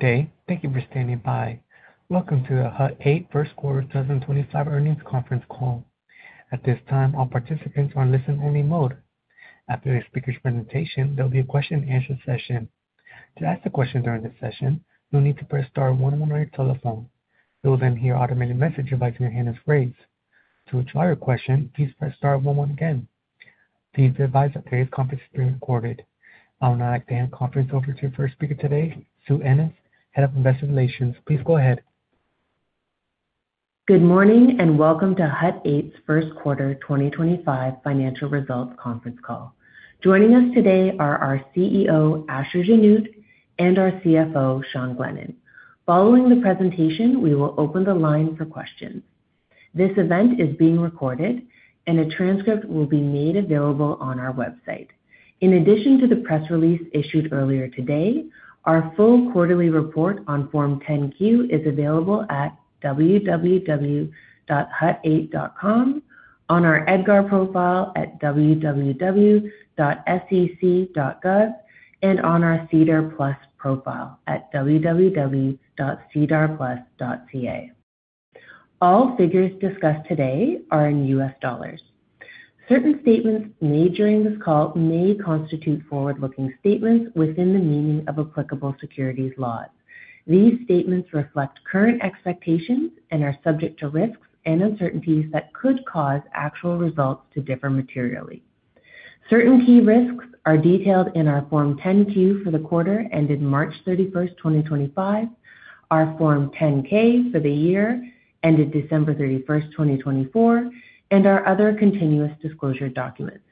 Thank you for standing by. Welcome to the Hut 8 First Quarter 2025 earnings conference call. At this time, all participants are in listen-only mode. After the speaker's presentation, there will be a question-and-answer session. To ask a question during this session, you'll need to press star one one on your telephone. You will then hear an automated message advising your handheld phrase. To retry your question, please press star one one again. Please be advised that today's conference is being recorded. I would now like to hand the conference over to your first speaker today, Sue Ennis, Head of Investor Relations. Please go ahead. Good morning and welcome to Hut 8's First Quarter 2025 financial results conference call. Joining us today are our CEO, Asher Genoot, and our CFO, Sean Glennan. Following the presentation, we will open the line for questions. This event is being recorded, and a transcript will be made available on our website. In addition to the press release issued earlier today, our full quarterly report on Form 10Q is available at www.hut8.com, on our EdGov profile at www.sec.gov, and on our Cedar Plus profile at www.cedarplus.ca. All figures discussed today are in U.S. dollars. Certain statements made during this call may constitute forward-looking statements within the meaning of applicable securities laws. These statements reflect current expectations and are subject to risks and uncertainties that could cause actual results to differ materially. Certain key risks are detailed in our Form 10Q for the quarter ended March 31, 2025, our Form 10K for the year ended December 31, 2024, and our other continuous disclosure documents.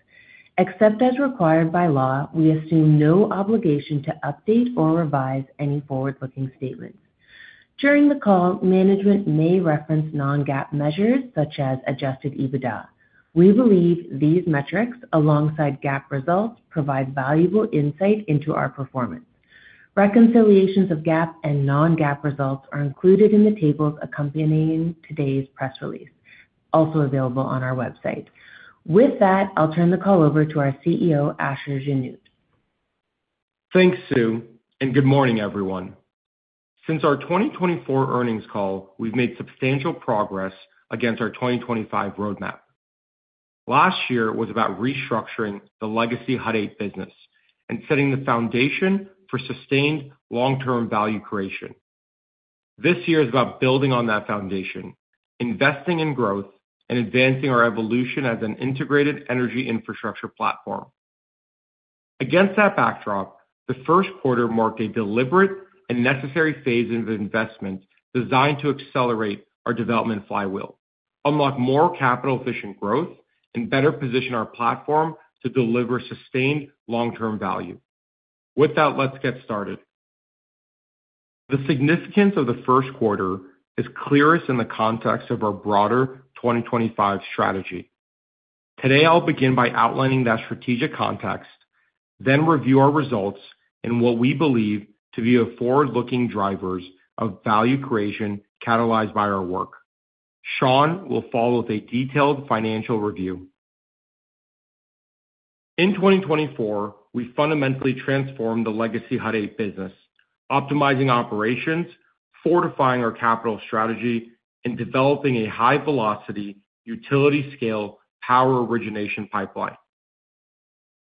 Except as required by law, we assume no obligation to update or revise any forward-looking statements. During the call, management may reference non-GAAP measures such as adjusted EBITDA. We believe these metrics, alongside GAAP results, provide valuable insight into our performance. Reconciliations of GAAP and non-GAAP results are included in the tables accompanying today's press release, also available on our website. With that, I'll turn the call over to our CEO, Asher Genoot. Thanks, Sue, and good morning, everyone. Since our 2024 earnings call, we've made substantial progress against our 2025 roadmap. Last year was about restructuring the legacy Hut 8 business and setting the foundation for sustained long-term value creation. This year is about building on that foundation, investing in growth, and advancing our evolution as an integrated energy infrastructure platform. Against that backdrop, the first quarter marked a deliberate and necessary phase of investment designed to accelerate our development flywheel, unlock more capital-efficient growth, and better position our platform to deliver sustained long-term value. With that, let's get started. The significance of the first quarter is clearest in the context of our broader 2025 strategy. Today, I'll begin by outlining that strategic context, then review our results and what we believe to be the forward-looking drivers of value creation catalyzed by our work. Sean will follow with a detailed financial review. In 2024, we fundamentally transformed the legacy Hut 8 business, optimizing operations, fortifying our capital strategy, and developing a high-velocity, utility-scale power origination pipeline.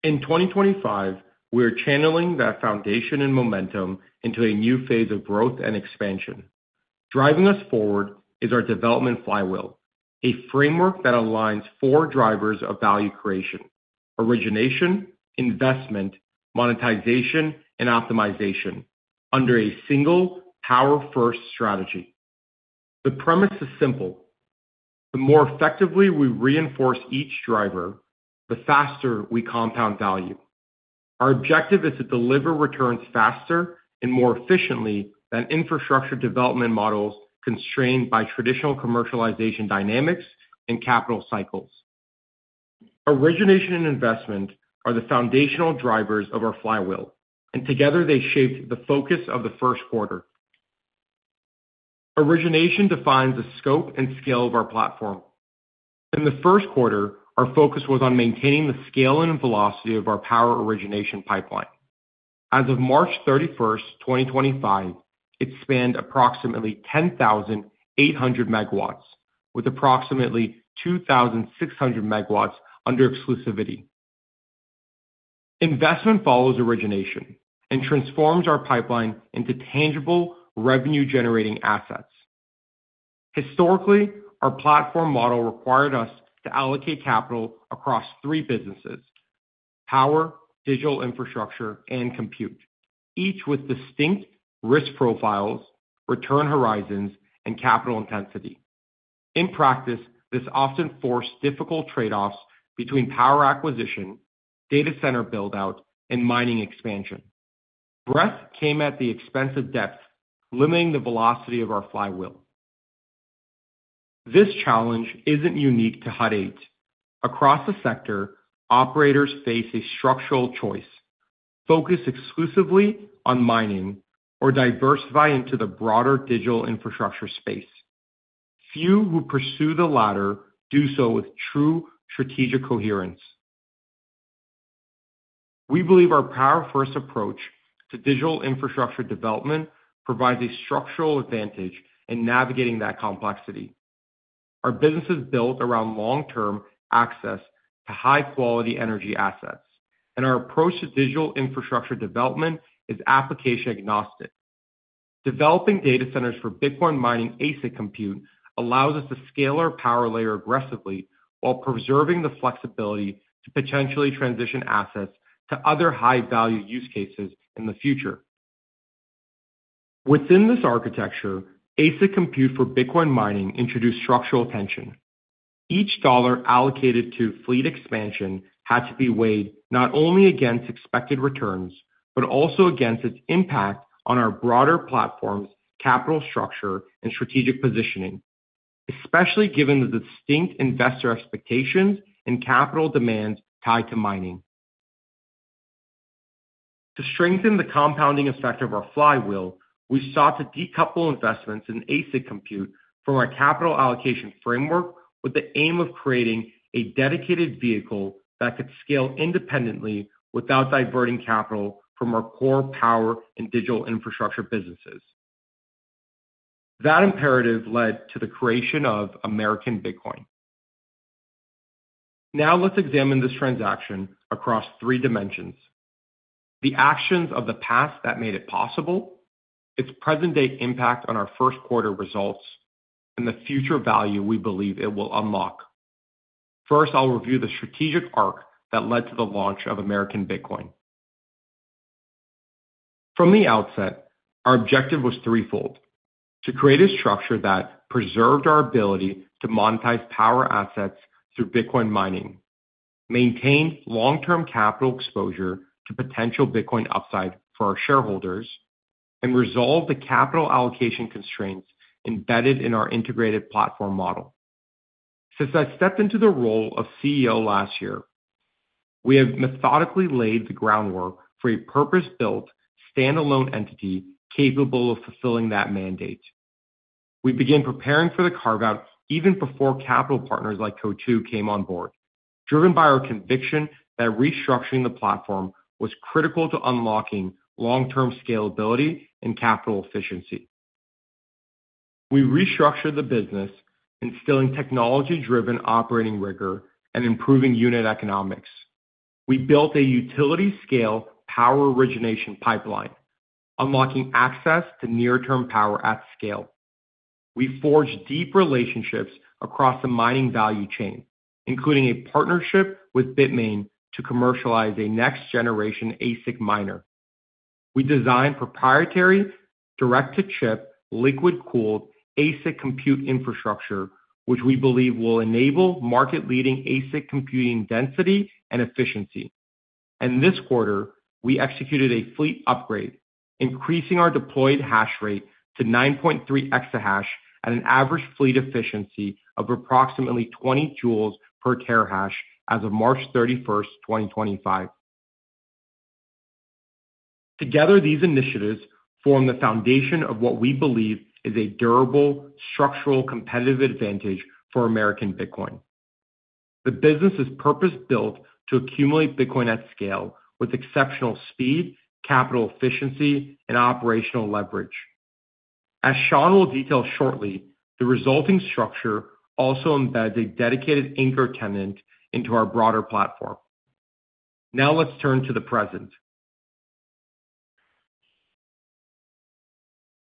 In 2025, we are channeling that foundation and momentum into a new phase of growth and expansion. Driving us forward is our development flywheel, a framework that aligns four drivers of value creation: origination, investment, monetization, and optimization under a single power-first strategy. The premise is simple: the more effectively we reinforce each driver, the faster we compound value. Our objective is to deliver returns faster and more efficiently than infrastructure development models constrained by traditional commercialization dynamics and capital cycles. Origination and investment are the foundational drivers of our flywheel, and together they shaped the focus of the first quarter. Origination defines the scope and scale of our platform. In the first quarter, our focus was on maintaining the scale and velocity of our power origination pipeline. As of March 31, 2025, it spanned approximately 10,800 megawatts, with approximately 2,600 megawatts under exclusivity. Investment follows origination and transforms our pipeline into tangible, revenue-generating assets. Historically, our platform model required us to allocate capital across three businesses: power, digital infrastructure, and compute, each with distinct risk profiles, return horizons, and capital intensity. In practice, this often forced difficult trade-offs between power acquisition, data center build-out, and mining expansion. Breadth came at the expense of depth, limiting the velocity of our flywheel. This challenge is not unique to Hut 8. Across the sector, operators face a structural choice: focus exclusively on mining or diversify into the broader digital infrastructure space. Few who pursue the latter do so with true strategic coherence. We believe our power-first approach to digital infrastructure development provides a structural advantage in navigating that complexity. Our business is built around long-term access to high-quality energy assets, and our approach to digital infrastructure development is application-agnostic. Developing data centers for Bitcoin mining ASIC compute allows us to scale our power layer aggressively while preserving the flexibility to potentially transition assets to other high-value use cases in the future. Within this architecture, ASIC compute for Bitcoin mining introduced structural tension. Each dollar allocated to fleet expansion had to be weighed not only against expected returns but also against its impact on our broader platform's capital structure and strategic positioning, especially given the distinct investor expectations and capital demands tied to mining. To strengthen the compounding effect of our flywheel, we sought to decouple investments in ASIC compute from our capital allocation framework with the aim of creating a dedicated vehicle that could scale independently without diverting capital from our core power and digital infrastructure businesses. That imperative led to the creation of American Bitcoin. Now let's examine this transaction across three dimensions: the actions of the past that made it possible, its present-day impact on our first quarter results, and the future value we believe it will unlock. First, I'll review the strategic arc that led to the launch of American Bitcoin. From the outset, our objective was threefold: to create a structure that preserved our ability to monetize power assets through Bitcoin mining, maintain long-term capital exposure to potential Bitcoin upside for our shareholders, and resolve the capital allocation constraints embedded in our integrated platform model. Since I stepped into the role of CEO last year, we have methodically laid the groundwork for a purpose-built, standalone entity capable of fulfilling that mandate. We began preparing for the carve-out even before capital partners like Coatue came on board, driven by our conviction that restructuring the platform was critical to unlocking long-term scalability and capital efficiency. We restructured the business, instilling technology-driven operating rigor and improving unit economics. We built a utility-scale power origination pipeline, unlocking access to near-term power at scale. We forged deep relationships across the mining value chain, including a partnership with BITMAIN to commercialize a next-generation ASIC miner. We designed proprietary, direct-to-chip liquid-cooled ASIC compute infrastructure, which we believe will enable market-leading ASIC computing density and efficiency. This quarter, we executed a fleet upgrade, increasing our deployed hash rate to 9.3 exahash and an average fleet efficiency of approximately 20 joules per terahash as of March 31, 2025. Together, these initiatives form the foundation of what we believe is a durable, structural, competitive advantage for American Bitcoin. The business is purpose-built to accumulate Bitcoin at scale with exceptional speed, capital efficiency, and operational leverage. As Sean will detail shortly, the resulting structure also embeds a dedicated anchor tenant into our broader platform. Now let's turn to the present.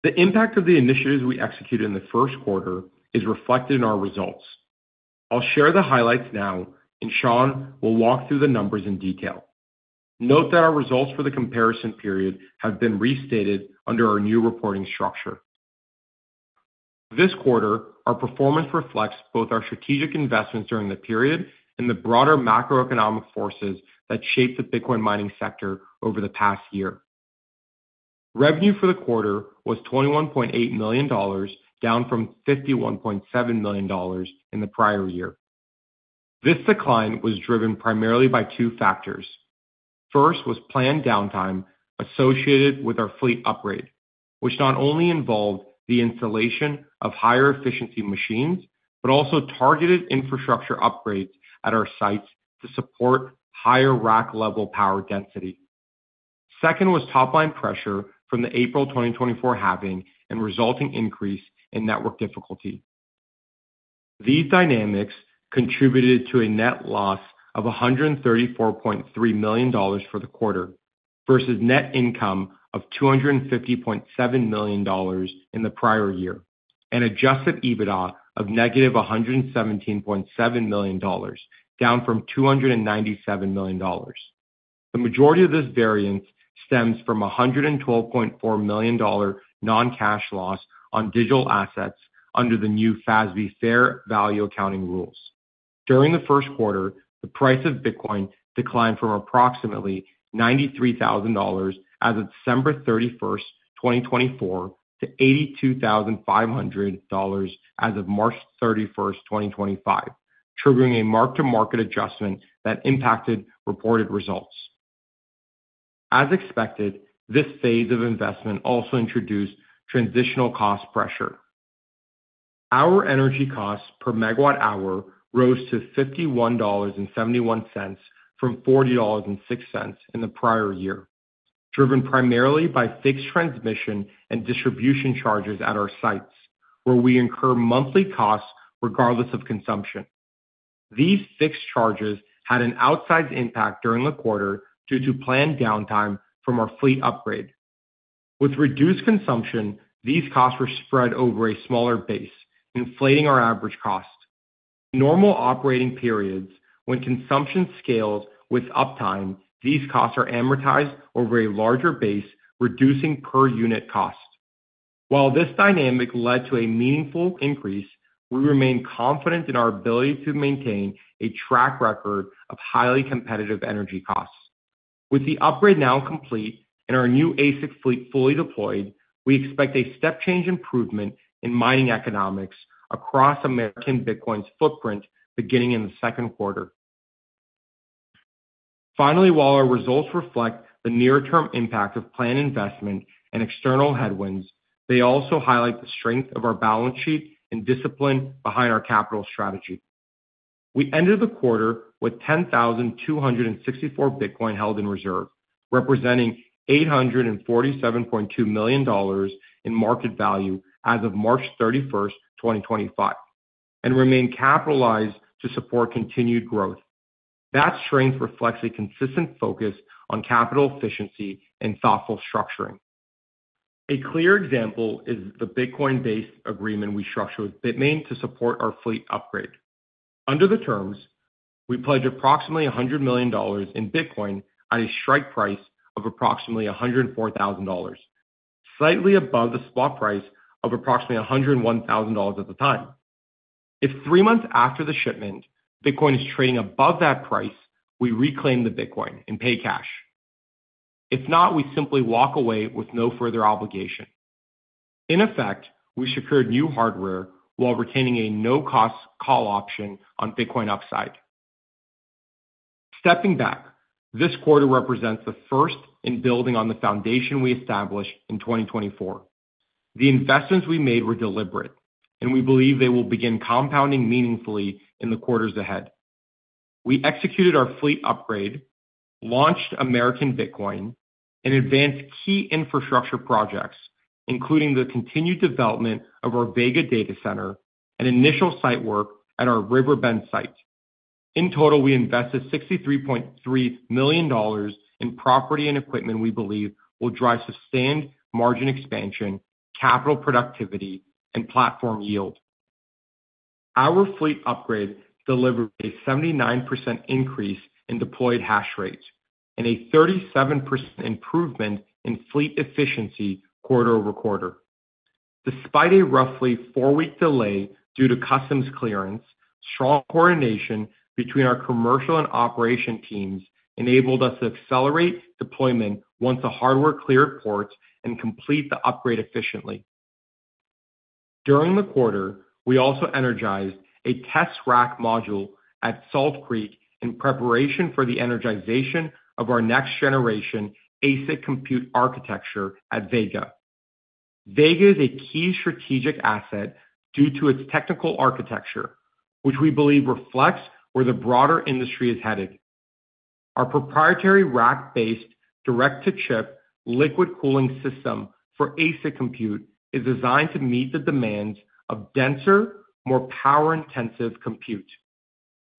The impact of the initiatives we executed in the first quarter is reflected in our results. I'll share the highlights now, and Sean will walk through the numbers in detail. Note that our results for the comparison period have been restated under our new reporting structure. This quarter, our performance reflects both our strategic investments during the period and the broader macroeconomic forces that shaped the Bitcoin mining sector over the past year. Revenue for the quarter was $21.8 million, down from $51.7 million in the prior year. This decline was driven primarily by two factors. First was planned downtime associated with our fleet upgrade, which not only involved the installation of higher-efficiency machines but also targeted infrastructure upgrades at our sites to support higher rack-level power density. Second was top-line pressure from the April 2024 halving and resulting increase in network difficulty. These dynamics contributed to a net loss of $134.3 million for the quarter versus net income of $250.7 million in the prior year and adjusted EBITDA of -$117.7 million, down from $297 million. The majority of this variance stems from $112.4 million non-cash loss on digital assets under the new FASB Fair Value Accounting rules. During the first quarter, the price of Bitcoin declined from approximately $93,000 as of December 31, 2024, to $82,500 as of March 31, 2025, triggering a mark-to-market adjustment that impacted reported results. As expected, this phase of investment also introduced transitional cost pressure. Our energy costs per megawatt-hour rose to $51.71 from $40.06 in the prior year, driven primarily by fixed transmission and distribution charges at our sites, where we incur monthly costs regardless of consumption. These fixed charges had an outsized impact during the quarter due to planned downtime from our fleet upgrade. With reduced consumption, these costs were spread over a smaller base, inflating our average cost. Normal operating periods, when consumption scales with uptime, these costs are amortized over a larger base, reducing per-unit cost. While this dynamic led to a meaningful increase, we remain confident in our ability to maintain a track record of highly competitive energy costs. With the upgrade now complete and our new ASIC fleet fully deployed, we expect a step-change improvement in mining economics across American Bitcoin's footprint beginning in the second quarter. Finally, while our results reflect the near-term impact of planned investment and external headwinds, they also highlight the strength of our balance sheet and discipline behind our capital strategy. We ended the quarter with 10,264 Bitcoin held in reserve, representing $847.2 million in market value as of March 31, 2025, and remain capitalized to support continued growth. That strength reflects a consistent focus on capital efficiency and thoughtful structuring. A clear example is the Bitcoin-based agreement we structured with Bitmain to support our fleet upgrade. Under the terms, we pledged approximately $100 million in Bitcoin at a strike price of approximately $104,000, slightly above the spot price of approximately $101,000 at the time. If three months after the shipment, Bitcoin is trading above that price, we reclaim the Bitcoin and pay cash. If not, we simply walk away with no further obligation. In effect, we secured new hardware while retaining a no-cost call option on Bitcoin upside. Stepping back, this quarter represents the first in building on the foundation we established in 2024. The investments we made were deliberate, and we believe they will begin compounding meaningfully in the quarters ahead. We executed our fleet upgrade, launched American Bitcoin, and advanced key infrastructure projects, including the continued development of our Vega data center and initial site work at our Riverbend site. In total, we invested $63.3 million in property and equipment we believe will drive sustained margin expansion, capital productivity, and platform yield. Our fleet upgrade delivered a 79% increase in deployed hash rate and a 37% improvement in fleet efficiency quarter-over-quarter. Despite a roughly four-week delay due to customs clearance, strong coordination between our commercial and operation teams enabled us to accelerate deployment once the hardware cleared ports and complete the upgrade efficiently. During the quarter, we also energized a test rack module at Salt Creek in preparation for the energization of our next-generation ASIC compute architecture at Vega. Vega is a key strategic asset due to its technical architecture, which we believe reflects where the broader industry is headed. Our proprietary rack-based direct-to-chip liquid cooling system for ASIC compute is designed to meet the demands of denser, more power-intensive compute.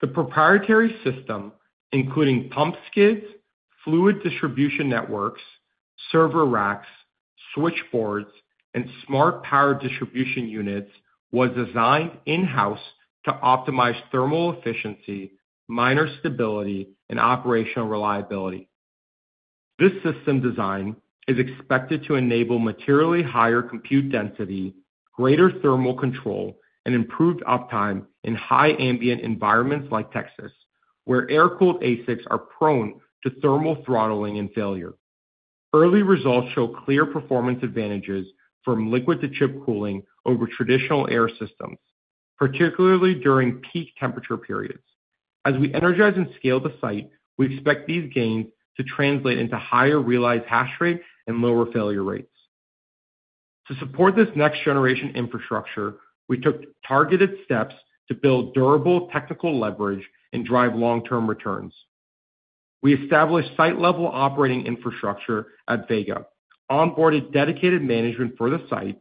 The proprietary system, including pump skids, fluid distribution networks, server racks, switchboards, and smart power distribution units, was designed in-house to optimize thermal efficiency, miner stability, and operational reliability. This system design is expected to enable materially higher compute density, greater thermal control, and improved uptime in high ambient environments like Texas, where air-cooled ASICs are prone to thermal throttling and failure. Early results show clear performance advantages from liquid-to-chip cooling over traditional air systems, particularly during peak temperature periods. As we energize and scale the site, we expect these gains to translate into higher realized hash rate and lower failure rates. To support this next-generation infrastructure, we took targeted steps to build durable technical leverage and drive long-term returns. We established site-level operating infrastructure at Vega, onboarded dedicated management for the site,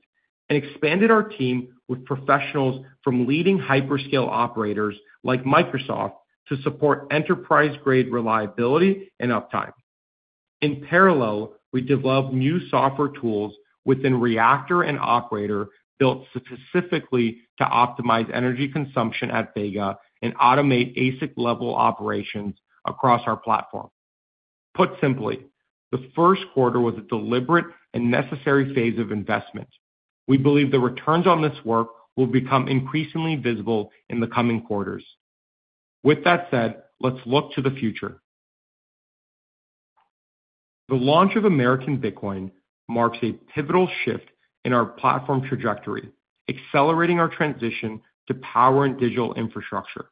and expanded our team with professionals from leading hyperscale operators like Microsoft to support enterprise-grade reliability and uptime. In parallel, we developed new software tools within Reactor and Operator built specifically to optimize energy consumption at Vega and automate ASIC-level operations across our platform. Put simply, the first quarter was a deliberate and necessary phase of investment. We believe the returns on this work will become increasingly visible in the coming quarters. With that said, let's look to the future. The launch of American Bitcoin marks a pivotal shift in our platform trajectory, accelerating our transition to power and digital infrastructure.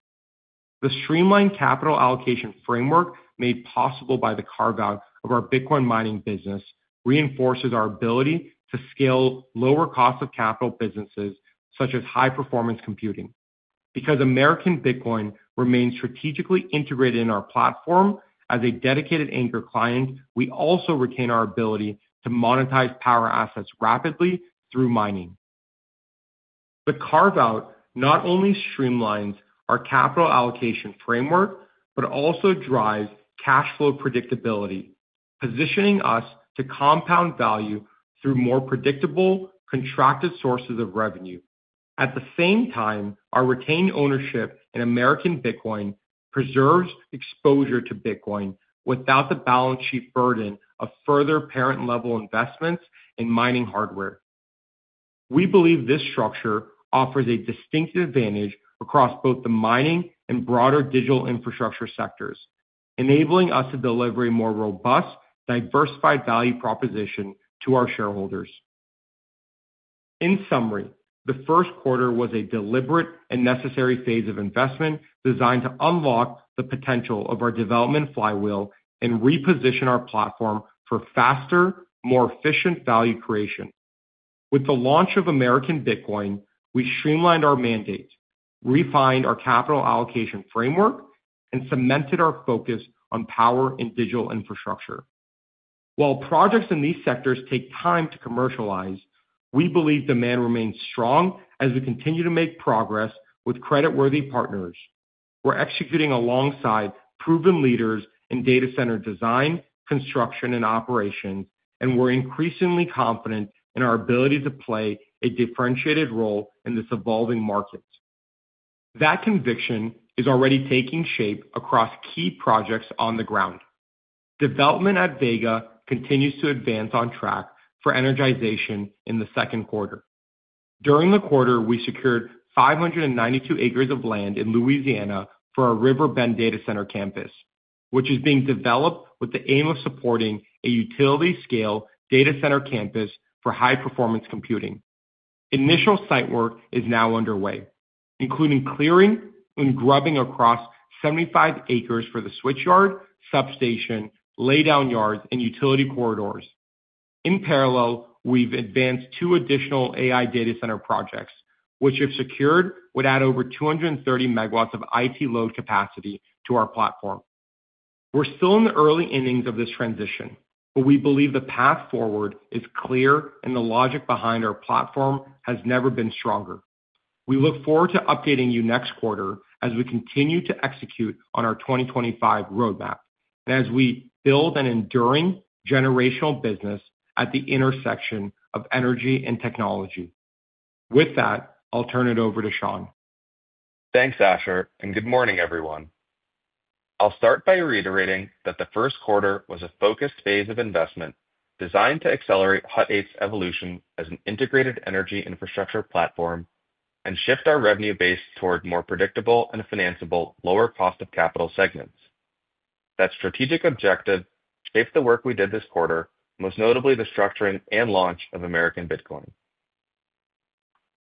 The streamlined capital allocation framework made possible by the carve-out of our Bitcoin mining business reinforces our ability to scale lower cost of capital businesses such as high-performance computing. Because American Bitcoin remains strategically integrated in our platform as a dedicated anchor client, we also retain our ability to monetize power assets rapidly through mining. The carve-out not only streamlines our capital allocation framework but also drives cash flow predictability, positioning us to compound value through more predictable, contracted sources of revenue. At the same time, our retained ownership in American Bitcoin preserves exposure to Bitcoin without the balance sheet burden of further parent-level investments in mining hardware. We believe this structure offers a distinct advantage across both the mining and broader digital infrastructure sectors, enabling us to deliver a more robust, diversified value proposition to our shareholders. In summary, the first quarter was a deliberate and necessary phase of investment designed to unlock the potential of our development flywheel and reposition our platform for faster, more efficient value creation. With the launch of American Bitcoin, we streamlined our mandate, refined our capital allocation framework, and cemented our focus on power and digital infrastructure. While projects in these sectors take time to commercialize, we believe demand remains strong as we continue to make progress with creditworthy partners. We're executing alongside proven leaders in data center design, construction, and operations, and we're increasingly confident in our ability to play a differentiated role in this evolving market. That conviction is already taking shape across key projects on the ground. Development at Vega continues to advance on track for energization in the second quarter. During the quarter, we secured 592 acres of land in Louisiana for our Riverbend data center campus, which is being developed with the aim of supporting a utility-scale data center campus for high-performance computing. Initial site work is now underway, including clearing and grubbing across 75 acres for the switchyard, substation, laydown yards, and utility corridors. In parallel, we've advanced two additional AI data center projects, which, if secured, would add over 230 megawatts of IT load capacity to our platform. We're still in the early innings of this transition, but we believe the path forward is clear and the logic behind our platform has never been stronger. We look forward to updating you next quarter as we continue to execute on our 2025 roadmap and as we build an enduring generational business at the intersection of energy and technology. With that, I'll turn it over to Sean. Thanks, Asher, and good morning, everyone. I'll start by reiterating that the first quarter was a focused phase of investment designed to accelerate Hut 8's evolution as an integrated energy infrastructure platform and shift our revenue base toward more predictable and financeable lower cost of capital segments. That strategic objective shaped the work we did this quarter, most notably the structuring and launch of American Bitcoin.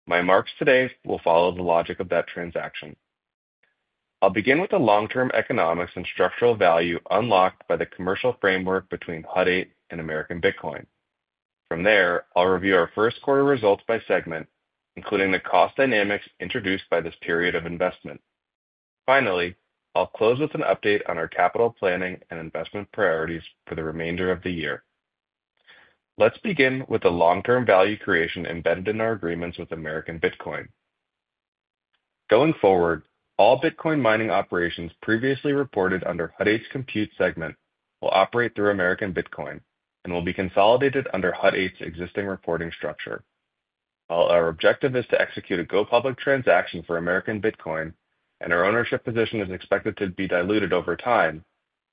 My marks today will follow the logic of that transaction. I'll begin with the long-term economics and structural value unlocked by the commercial framework between Hut 8 and American Bitcoin. From there, I'll review our first quarter results by segment, including the cost dynamics introduced by this period of investment. Finally, I'll close with an update on our capital planning and investment priorities for the remainder of the year. Let's begin with the long-term value creation embedded in our agreements with American Bitcoin. Going forward, all Bitcoin mining operations previously reported under Hut 8's compute segment will operate through American Bitcoin and will be consolidated under Hut 8's existing reporting structure. While our objective is to execute a go-public transaction for American Bitcoin and our ownership position is expected to be diluted over time,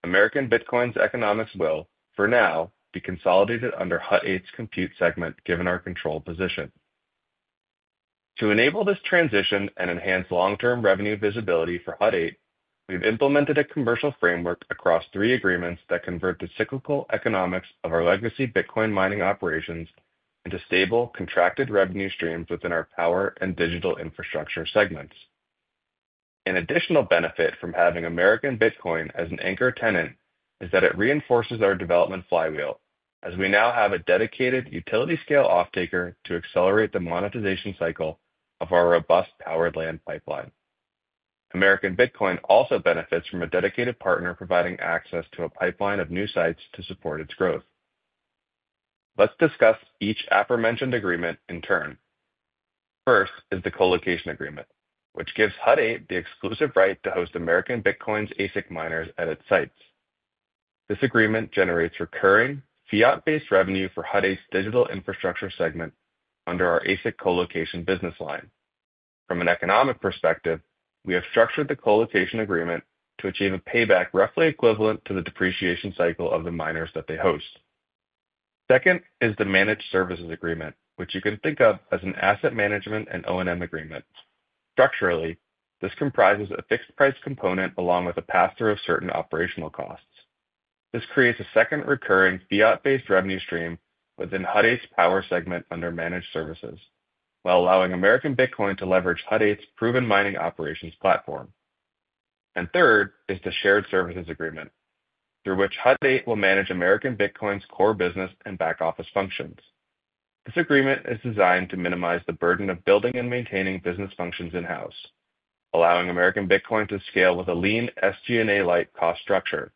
American Bitcoin's economics will, for now, be consolidated under Hut 8's compute segment given our control position. To enable this transition and enhance long-term revenue visibility for Hut 8, we've implemented a commercial framework across three agreements that convert the cyclical economics of our legacy Bitcoin mining operations into stable, contracted revenue streams within our power and digital infrastructure segments. An additional benefit from having American Bitcoin as an anchor tenant is that it reinforces our development flywheel, as we now have a dedicated utility-scale offtaker to accelerate the monetization cycle of our robust power land pipeline. American Bitcoin also benefits from a dedicated partner providing access to a pipeline of new sites to support its growth. Let's discuss each aforementioned agreement in turn. First is the colocation agreement, which gives Hut 8 the exclusive right to host American Bitcoin's ASIC miners at its sites. This agreement generates recurring fiat-based revenue for Hut 8's digital infrastructure segment under our ASIC colocation business line. From an economic perspective, we have structured the colocation agreement to achieve a payback roughly equivalent to the depreciation cycle of the miners that they host. Second is the managed services agreement, which you can think of as an asset management and O&M agreement. Structurally, this comprises a fixed-price component along with a pass-through of certain operational costs. This creates a second recurring fiat-based revenue stream within Hut 8's power segment under managed services, while allowing American Bitcoin to leverage Hut 8's proven mining operations platform. Third is the shared services agreement, through which Hut 8 will manage American Bitcoin's core business and back-office functions. This agreement is designed to minimize the burden of building and maintaining business functions in-house, allowing American Bitcoin to scale with a lean SG&A-like cost structure.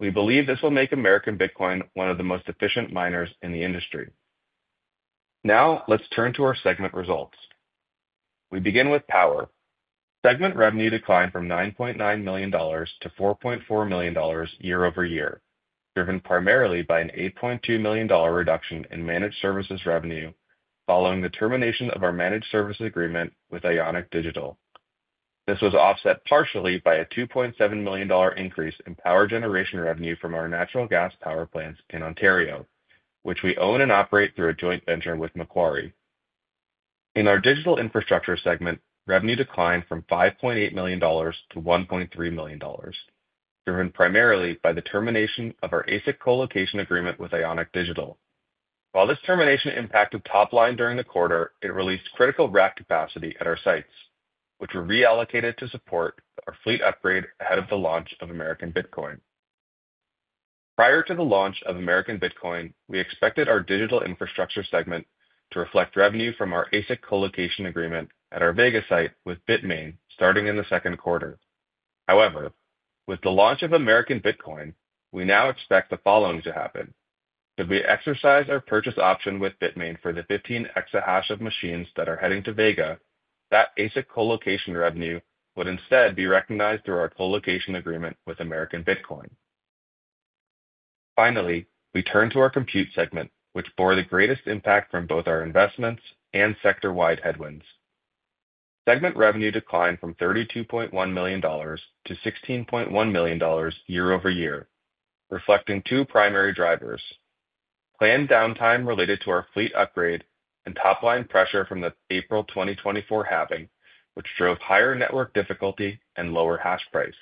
We believe this will make American Bitcoin one of the most efficient miners in the industry. Now, let's turn to our segment results. We begin with power. Segment revenue declined from $9.9 million to $4.4 million year-over-year, driven primarily by an $8.2 million reduction in managed services revenue following the termination of our managed services agreement with Ionic Digital. This was offset partially by a $2.7 million increase in power generation revenue from our natural gas power plants in Ontario, which we own and operate through a joint venture with Macquarie. In our digital infrastructure segment, revenue declined from $5.8 million to $1.3 million, driven primarily by the termination of our ASIC colocation agreement with Ionic Digital. While this termination impacted top line during the quarter, it released critical rack capacity at our sites, which were reallocated to support our fleet upgrade ahead of the launch of American Bitcoin. Prior to the launch of American Bitcoin, we expected our digital infrastructure segment to reflect revenue from our ASIC colocation agreement at our Vega site with Bitmain starting in the second quarter. However, with the launch of American Bitcoin, we now expect the following to happen. Should we exercise our purchase option with Bitmain for the 15 exahash of machines that are heading to Vega, that ASIC colocation revenue would instead be recognized through our colocation agreement with American Bitcoin. Finally, we turn to our compute segment, which bore the greatest impact from both our investments and sector-wide headwinds. Segment revenue declined from $32.1 million to $16.1 million year-over-year, reflecting two primary drivers: planned downtime related to our fleet upgrade and top-line pressure from the April 2024 halving, which drove higher network difficulty and lower hash price.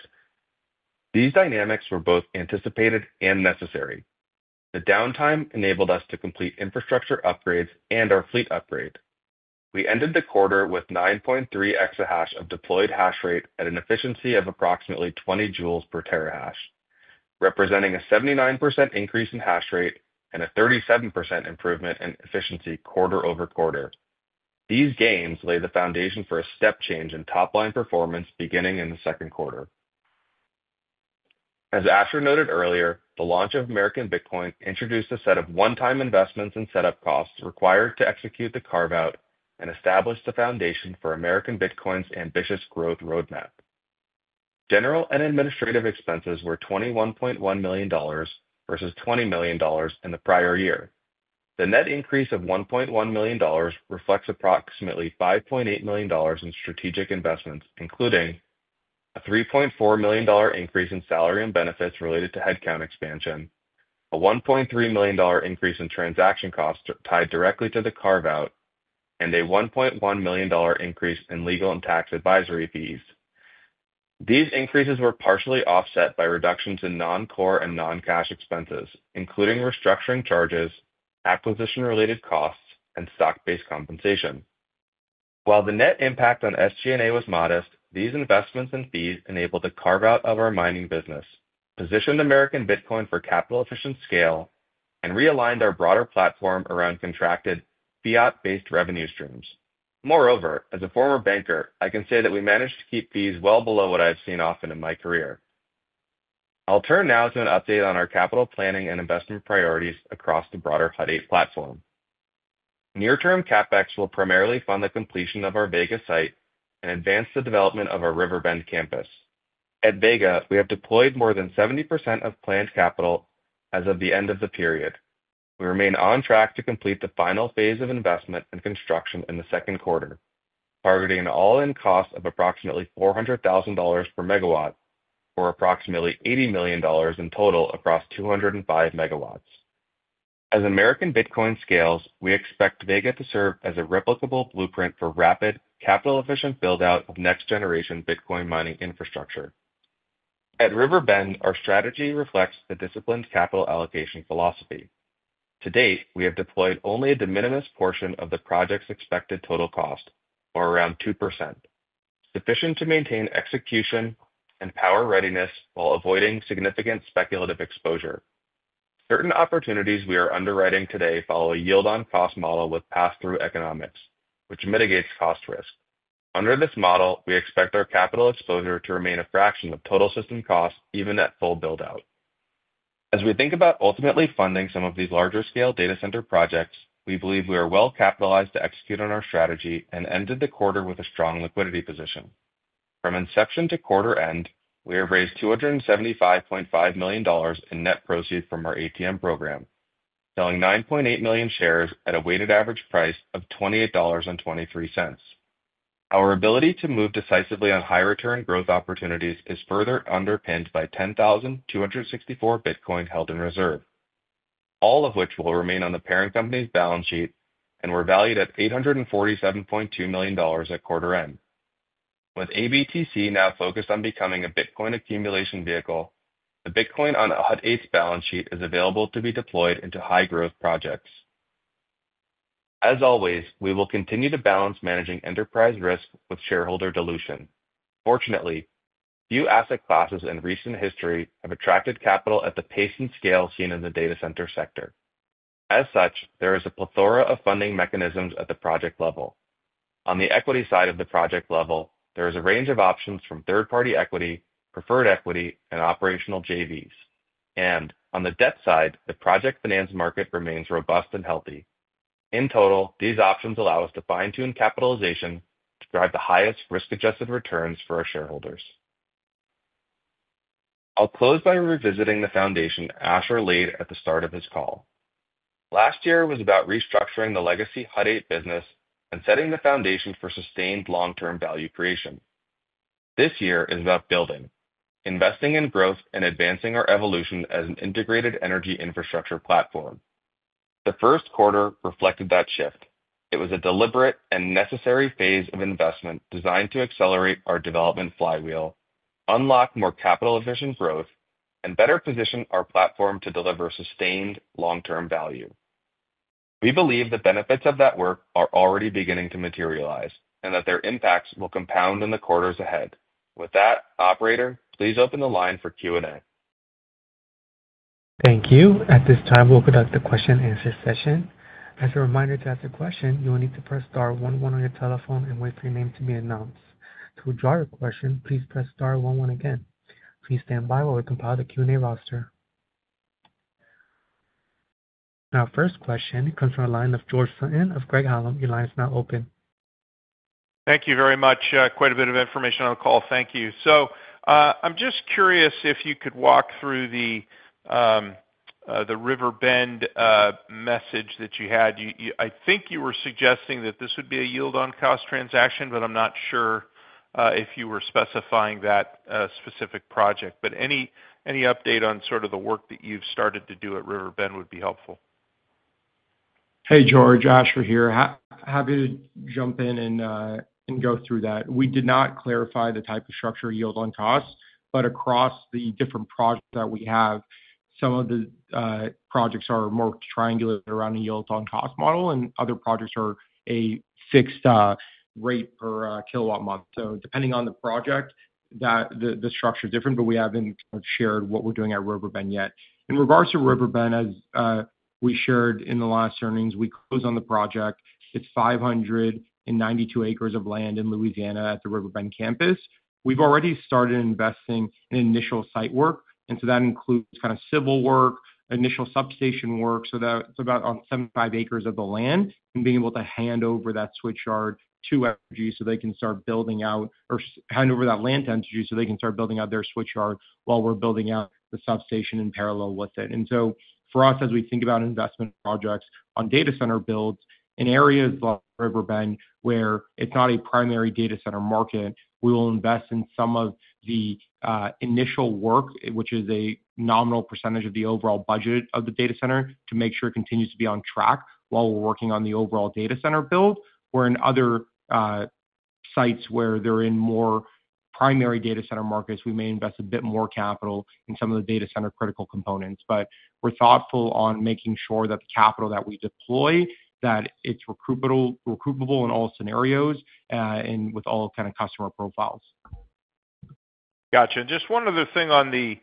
These dynamics were both anticipated and necessary. The downtime enabled us to complete infrastructure upgrades and our fleet upgrade. We ended the quarter with 9.3 exahash of deployed hash rate at an efficiency of approximately 20 joules per terahash, representing a 79% increase in hash rate and a 37% improvement in efficiency quarter over quarter. These gains lay the foundation for a step change in top-line performance beginning in the second quarter. As Asher noted earlier, the launch of American Bitcoin introduced a set of one-time investments and setup costs required to execute the carve-out and established the foundation for American Bitcoin's ambitious growth roadmap. General and administrative expenses were $21.1 million versus $20 million in the prior year. The net increase of $1.1 million reflects approximately $5.8 million in strategic investments, including a $3.4 million increase in salary and benefits related to headcount expansion, a $1.3 million increase in transaction costs tied directly to the carve-out, and a $1.1 million increase in legal and tax advisory fees. These increases were partially offset by reductions in non-core and non-cash expenses, including restructuring charges, acquisition-related costs, and stock-based compensation. While the net impact on SG&A was modest, these investments and fees enabled the carve-out of our mining business, positioned American Bitcoin for capital-efficient scale, and realigned our broader platform around contracted fiat-based revenue streams. Moreover, as a former banker, I can say that we managed to keep fees well below what I've seen often in my career. I'll turn now to an update on our capital planning and investment priorities across the broader Hut 8 platform. Near-term CapEx will primarily fund the completion of our Vega site and advance the development of our Riverbend campus. At Vega, we have deployed more than 70% of planned capital as of the end of the period. We remain on track to complete the final phase of investment and construction in the second quarter, targeting an all-in cost of approximately $400,000 per megawatt or approximately $80 million in total across 205 megawatts. As American Bitcoin scales, we expect Vega to serve as a replicable blueprint for rapid, capital-efficient build-out of next-generation Bitcoin mining infrastructure. At Riverbend, our strategy reflects the disciplined capital allocation philosophy. To date, we have deployed only a de minimis portion of the project's expected total cost, or around 2%, sufficient to maintain execution and power readiness while avoiding significant speculative exposure. Certain opportunities we are underwriting today follow a yield-on-cost model with pass-through economics, which mitigates cost risk. Under this model, we expect our capital exposure to remain a fraction of total system cost even at full build-out. As we think about ultimately funding some of these larger-scale data center projects, we believe we are well capitalized to execute on our strategy and ended the quarter with a strong liquidity position. From inception to quarter end, we have raised $275.5 million in net proceeds from our ATM program, selling 9.8 million shares at a weighted average price of $28.23. Our ability to move decisively on high-return growth opportunities is further underpinned by 10,264 Bitcoin held in reserve, all of which will remain on the parent company's balance sheet and were valued at $847.2 million at quarter end. With ABTC now focused on becoming a Bitcoin accumulation vehicle, the Bitcoin on Hut 8's balance sheet is available to be deployed into high-growth projects. As always, we will continue to balance managing enterprise risk with shareholder dilution. Fortunately, few asset classes in recent history have attracted capital at the pace and scale seen in the data center sector. As such, there is a plethora of funding mechanisms at the project level. On the equity side of the project level, there is a range of options from third-party equity, preferred equity, and operational JVs. On the debt side, the project finance market remains robust and healthy. In total, these options allow us to fine-tune capitalization to drive the highest risk-adjusted returns for our shareholders. I'll close by revisiting the foundation Asher laid at the start of his call. Last year was about restructuring the legacy Hut 8 business and setting the foundation for sustained long-term value creation. This year is about building, investing in growth, and advancing our evolution as an integrated energy infrastructure platform. The first quarter reflected that shift. It was a deliberate and necessary phase of investment designed to accelerate our development flywheel, unlock more capital-efficient growth, and better position our platform to deliver sustained long-term value. We believe the benefits of that work are already beginning to materialize and that their impacts will compound in the quarters ahead. With that, Operator, please open the line for Q&A. Thank you. At this time, we'll conduct the question-and-answer session. As a reminder to ask a question, you will need to press star one one on your telephone and wait for your name to be announced. To withdraw your question, please press star one one again. Please stand by while we compile the Q&A roster. Now, our first question comes from a line of George Sutton of Gregg Alum. Your line is now open. Thank you very much. Quite a bit of information on the call. Thank you. So I'm just curious if you could walk through the Riverbend message that you had. I think you were suggesting that this would be a yield-on-cost transaction, but I'm not sure if you were specifying that specific project. Any update on sort of the work that you've started to do at Riverbend would be helpful. Hey, George. Asher here. Happy to jump in and go through that. We did not clarify the type of structure yield-on-cost, but across the different projects that we have, some of the projects are more triangulated around a yield-on-cost model, and other projects are a fixed rate per kilowatt month. Depending on the project, the structure is different, but we haven't shared what we're doing at Riverbend yet. In regards to Riverbend, as we shared in the last earnings, we close on the project. It's 592 acres of land in Louisiana at the Riverbend campus. We've already started investing in initial site work, and that includes kind of civil work, initial substation work. That's about 75 acres of the land and being able to hand over that switch yard to FG so they can start building out or hand over that land to FG so they can start building out their switch yard while we're building out the substation in parallel with it. For us, as we think about investment projects on data center builds in areas like Riverbend where it's not a primary data center market, we will invest in some of the initial work, which is a nominal percentage of the overall budget of the data center, to make sure it continues to be on track while we're working on the overall data center build. Where in other sites where they're in more primary data center markets, we may invest a bit more capital in some of the data center critical components. We are thoughtful on making sure that the capital that we deploy, that it's recruitable in all scenarios and with all kind of customer profiles. Gotcha. Just one other thing on the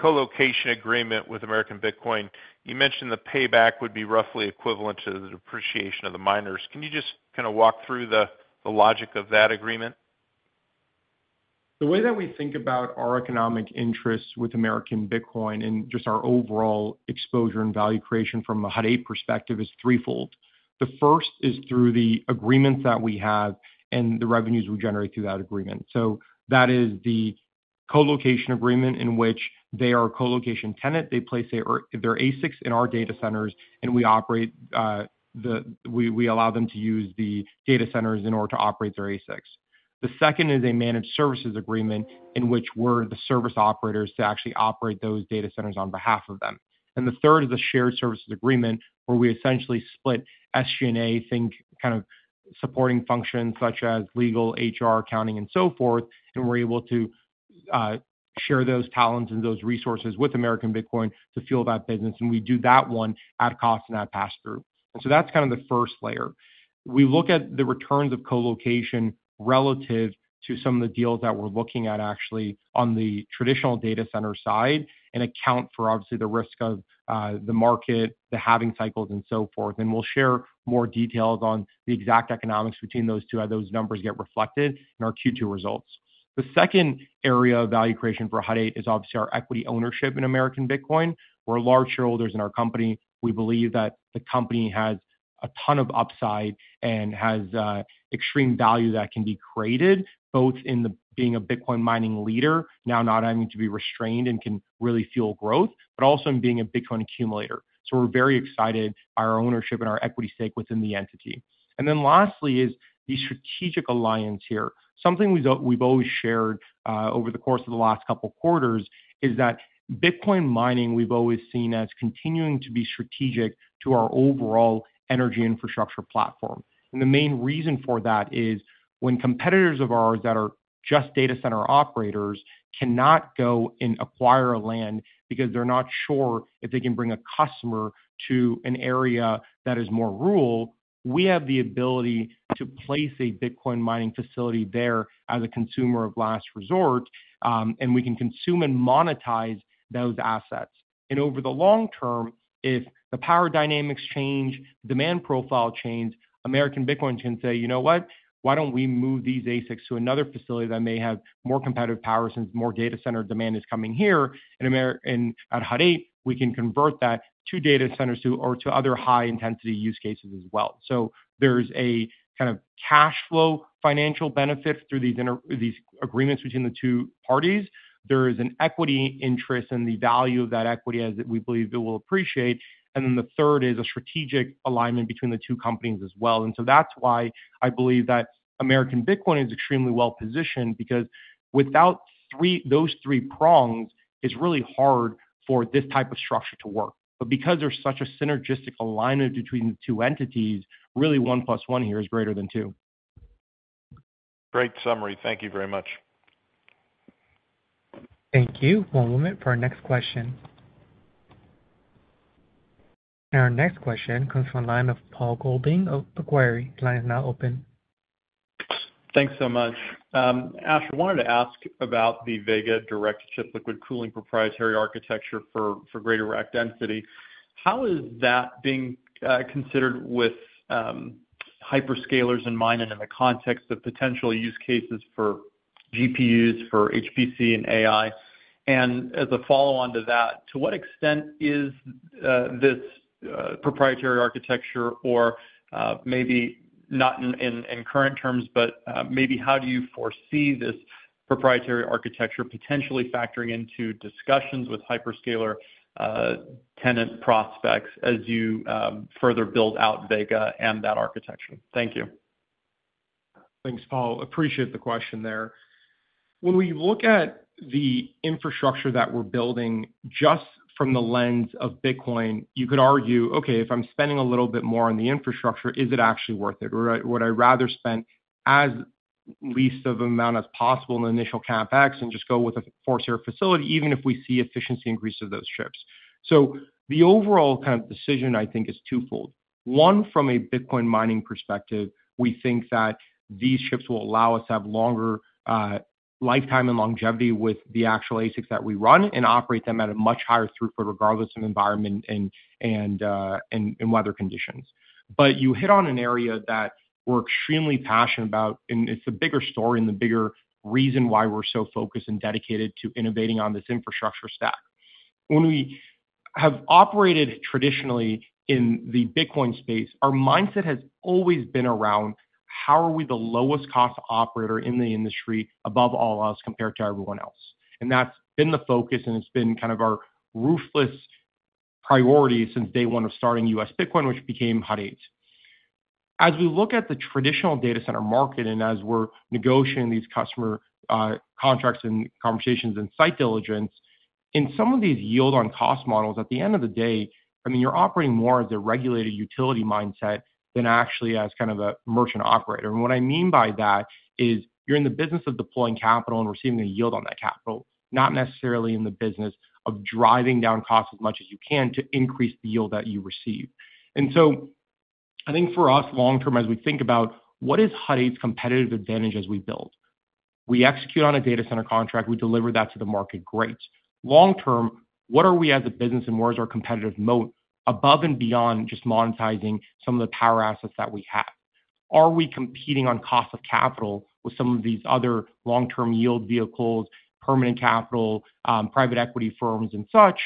colocation agreement with American Bitcoin. You mentioned the payback would be roughly equivalent to the depreciation of the miners. Can you just kind of walk through the logic of that agreement? The way that we think about our economic interests with American Bitcoin and just our overall exposure and value creation from the Hut 8 perspective is threefold. The first is through the agreements that we have and the revenues we generate through that agreement. That is the colocation agreement in which they are a colocation tenant. They place their ASICs in our data centers, and we allow them to use the data centers in order to operate their ASICs. The second is a managed services agreement in which we're the service operators to actually operate those data centers on behalf of them. The third is a shared services agreement where we essentially split SG&A, think kind of supporting functions such as legal, HR, accounting, and so forth, and we're able to share those talents and those resources with American Bitcoin to fuel that business. We do that one at cost and at pass-through. That is kind of the first layer. We look at the returns of colocation relative to some of the deals that we're looking at actually on the traditional data center side and account for, obviously, the risk of the market, the halving cycles, and so forth. We will share more details on the exact economics between those two as those numbers get reflected in our Q2 results. The second area of value creation for Hut 8 is obviously our equity ownership in American Bitcoin. We are large shareholders in our company. We believe that the company has a ton of upside and has extreme value that can be created both in being a Bitcoin mining leader, now not having to be restrained and can really fuel growth, but also in being a Bitcoin accumulator. We are very excited by our ownership and our equity stake within the entity. Lastly is the strategic alliance here. Something we have always shared over the course of the last couple of quarters is that Bitcoin mining we have always seen as continuing to be strategic to our overall energy infrastructure platform. The main reason for that is when competitors of ours that are just data center operators cannot go and acquire land because they're not sure if they can bring a customer to an area that is more rural, we have the ability to place a Bitcoin mining facility there as a consumer of last resort, and we can consume and monetize those assets. Over the long term, if the power dynamics change, demand profile change, American Bitcoin can say, "You know what? Why don't we move these ASICs to another facility that may have more competitive power since more data center demand is coming here?" At Hut 8, we can convert that to data centers or to other high-intensity use cases as well. There is a kind of cash flow financial benefit through these agreements between the two parties. There is an equity interest in the value of that equity as we believe it will appreciate. The third is a strategic alignment between the two companies as well. That is why I believe that American Bitcoin is extremely well positioned because without those three prongs, it is really hard for this type of structure to work. Because there is such a synergistic alignment between the two entities, really one plus one here is greater than two. Great summary. Thank you very much. Thank you. One moment for our next question. Our next question comes from a line of Paul Golding of Macquarie. The line is now open. Thanks so much. Asher, I wanted to ask about the Vega Direct-to-chip liquid cooling proprietary architecture for greater rack density. How is that being considered with hyperscalers in mind and in the context of potential use cases for GPUs, for HPC, and AI? As a follow-on to that, to what extent is this proprietary architecture or maybe not in current terms, but maybe how do you foresee this proprietary architecture potentially factoring into discussions with hyperscaler tenant prospects as you further build out Vega and that architecture? Thank you. Thanks, Paul. Appreciate the question there. When we look at the infrastructure that we're building just from the lens of Bitcoin, you could argue, "Okay, if I'm spending a little bit more on the infrastructure, is it actually worth it? Would I rather spend as least of an amount as possible in the initial CapEx and just go with a four-share facility, even if we see efficiency increase of those chips? The overall kind of decision, I think, is twofold. One, from a Bitcoin mining perspective, we think that these chips will allow us to have longer lifetime and longevity with the actual ASICs that we run and operate them at a much higher throughput regardless of environment and weather conditions. You hit on an area that we are extremely passionate about, and it is the bigger story and the bigger reason why we are so focused and dedicated to innovating on this infrastructure stack. When we have operated traditionally in the Bitcoin space, our mindset has always been around how are we the lowest-cost operator in the industry above all else compared to everyone else. That's been the focus, and it's been kind of our ruthless priority since day one of starting U.S Bitcoin, which became Hut 8. As we look at the traditional data center market and as we're negotiating these customer contracts and conversations and site diligence, in some of these yield-on-cost models, at the end of the day, I mean, you're operating more as a regulated utility mindset than actually as kind of a merchant operator. What I mean by that is you're in the business of deploying capital and receiving a yield on that capital, not necessarily in the business of driving down costs as much as you can to increase the yield that you receive. I think for us, long term, as we think about what is Hut 8's competitive advantage as we build, we execute on a data center contract. We deliver that to the market. Great. Long term, what are we as a business and where is our competitive moat above and beyond just monetizing some of the power assets that we have? Are we competing on cost of capital with some of these other long-term yield vehicles, permanent capital, private equity firms, and such?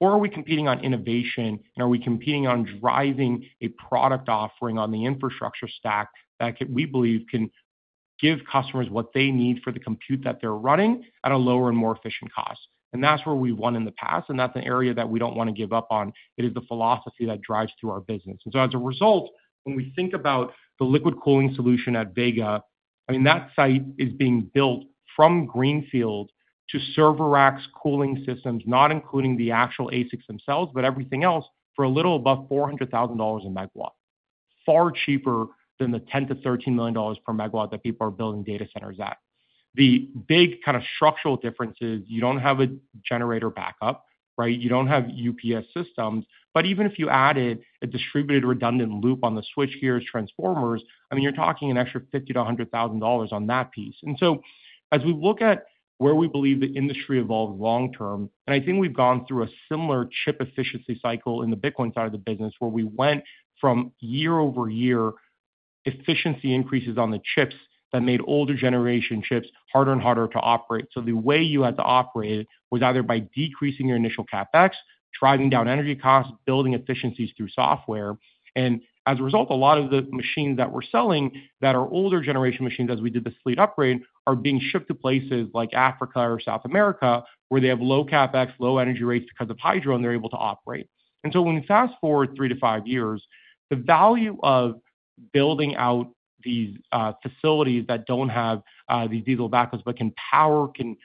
Are we competing on innovation, and are we competing on driving a product offering on the infrastructure stack that we believe can give customers what they need for the compute that they're running at a lower and more efficient cost? That is where we've won in the past, and that is an area that we don't want to give up on. It is the philosophy that drives through our business. As a result, when we think about the liquid cooling solution at Vega, I mean, that site is being built from greenfield to server racks, cooling systems, not including the actual ASICs themselves, but everything else for a little above $400,000 a megawatt, far cheaper than the $10 million-$13 million per megawatt that people are building data centers at. The big kind of structural difference is you do not have a generator backup, right? You do not have UPS systems. I mean, even if you added a distributed redundant loop on the switch gears, transformers, you are talking an extra $50,000-$100,000 on that piece. As we look at where we believe the industry evolves long term, I think we've gone through a similar chip efficiency cycle in the Bitcoin side of the business where we went from year-over-year efficiency increases on the chips that made older generation chips harder and harder to operate. The way you had to operate it was either by decreasing your initial CapEx, driving down energy costs, building efficiencies through software. As a result, a lot of the machines that we're selling that are older generation machines, as we did the fleet upgrade, are being shipped to places like Africa or South America where they have low CapEx, low energy rates because of hydro, and they're able to operate. When we fast forward three to five years, the value of building out these facilities that do not have these diesel backups but can power, can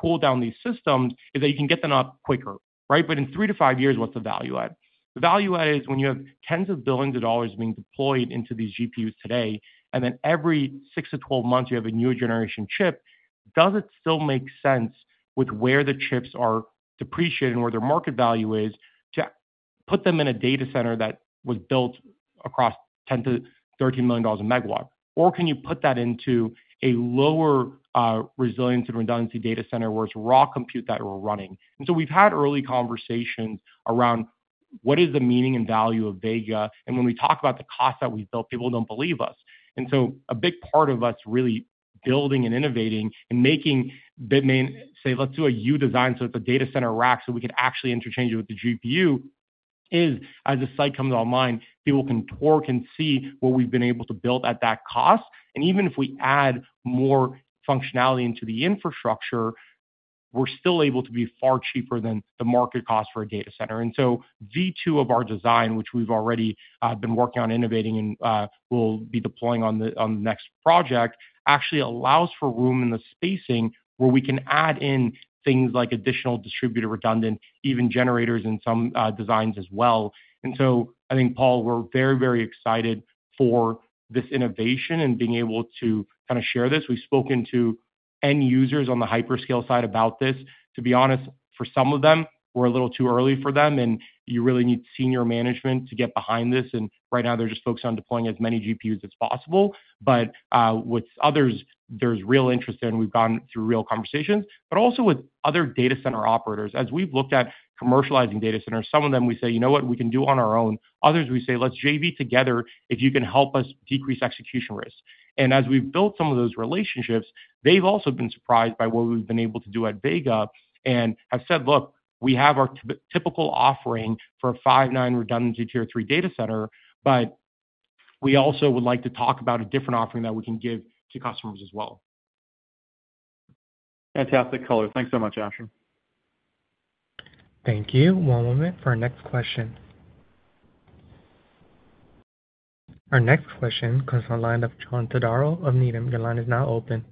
cool down these systems is that you can get them up quicker, right? In three to five years, what is the value add? The value add is when you have tens of billions of dollars being deployed into these GPUs today, and then every six to twelve months you have a new generation chip, does it still make sense with where the chips are depreciated and where their market value is to put them in a data center that was built across $10 million-$13 million a megawatt? Or can you put that into a lower resilience and redundancy data center where it is raw compute that we are running? We have had early conversations around what is the meaning and value of Vega? When we talk about the cost that we built, people do not believe us. A big part of us really building and innovating and making Bitmain say, "Let's do a U design so it is a data center rack so we can actually interchange it with the GPU," is as the site comes online, people can tour and see what we have been able to build at that cost. Even if we add more functionality into the infrastructure, we are still able to be far cheaper than the market cost for a data center. V2 of our design, which we have already been working on innovating and will be deploying on the next project, actually allows for room in the spacing where we can add in things like additional distributed redundant, even generators in some designs as well. I think, Paul, we're very, very excited for this innovation and being able to kind of share this. We've spoken to end users on the hyperscale side about this. To be honest, for some of them, we're a little too early for them, and you really need senior management to get behind this. Right now, they're just focused on deploying as many GPUs as possible. With others, there's real interest there, and we've gone through real conversations. Also with other data center operators, as we've looked at commercializing data centers, some of them we say, "You know what? We can do on our own." Others we say, "Let's JV together if you can help us decrease execution risk." As we've built some of those relationships, they've also been surprised by what we've been able to do at Vega and have said, "Look, we have our typical offering for a 5.9 redundancy tier three data center, but we also would like to talk about a different offering that we can give to customers as well." Fantastic, Color. Thanks so much, Asher. Thank you. One moment for our next question. Our next question comes from a line of John Todaro of Needham. Your line is now open.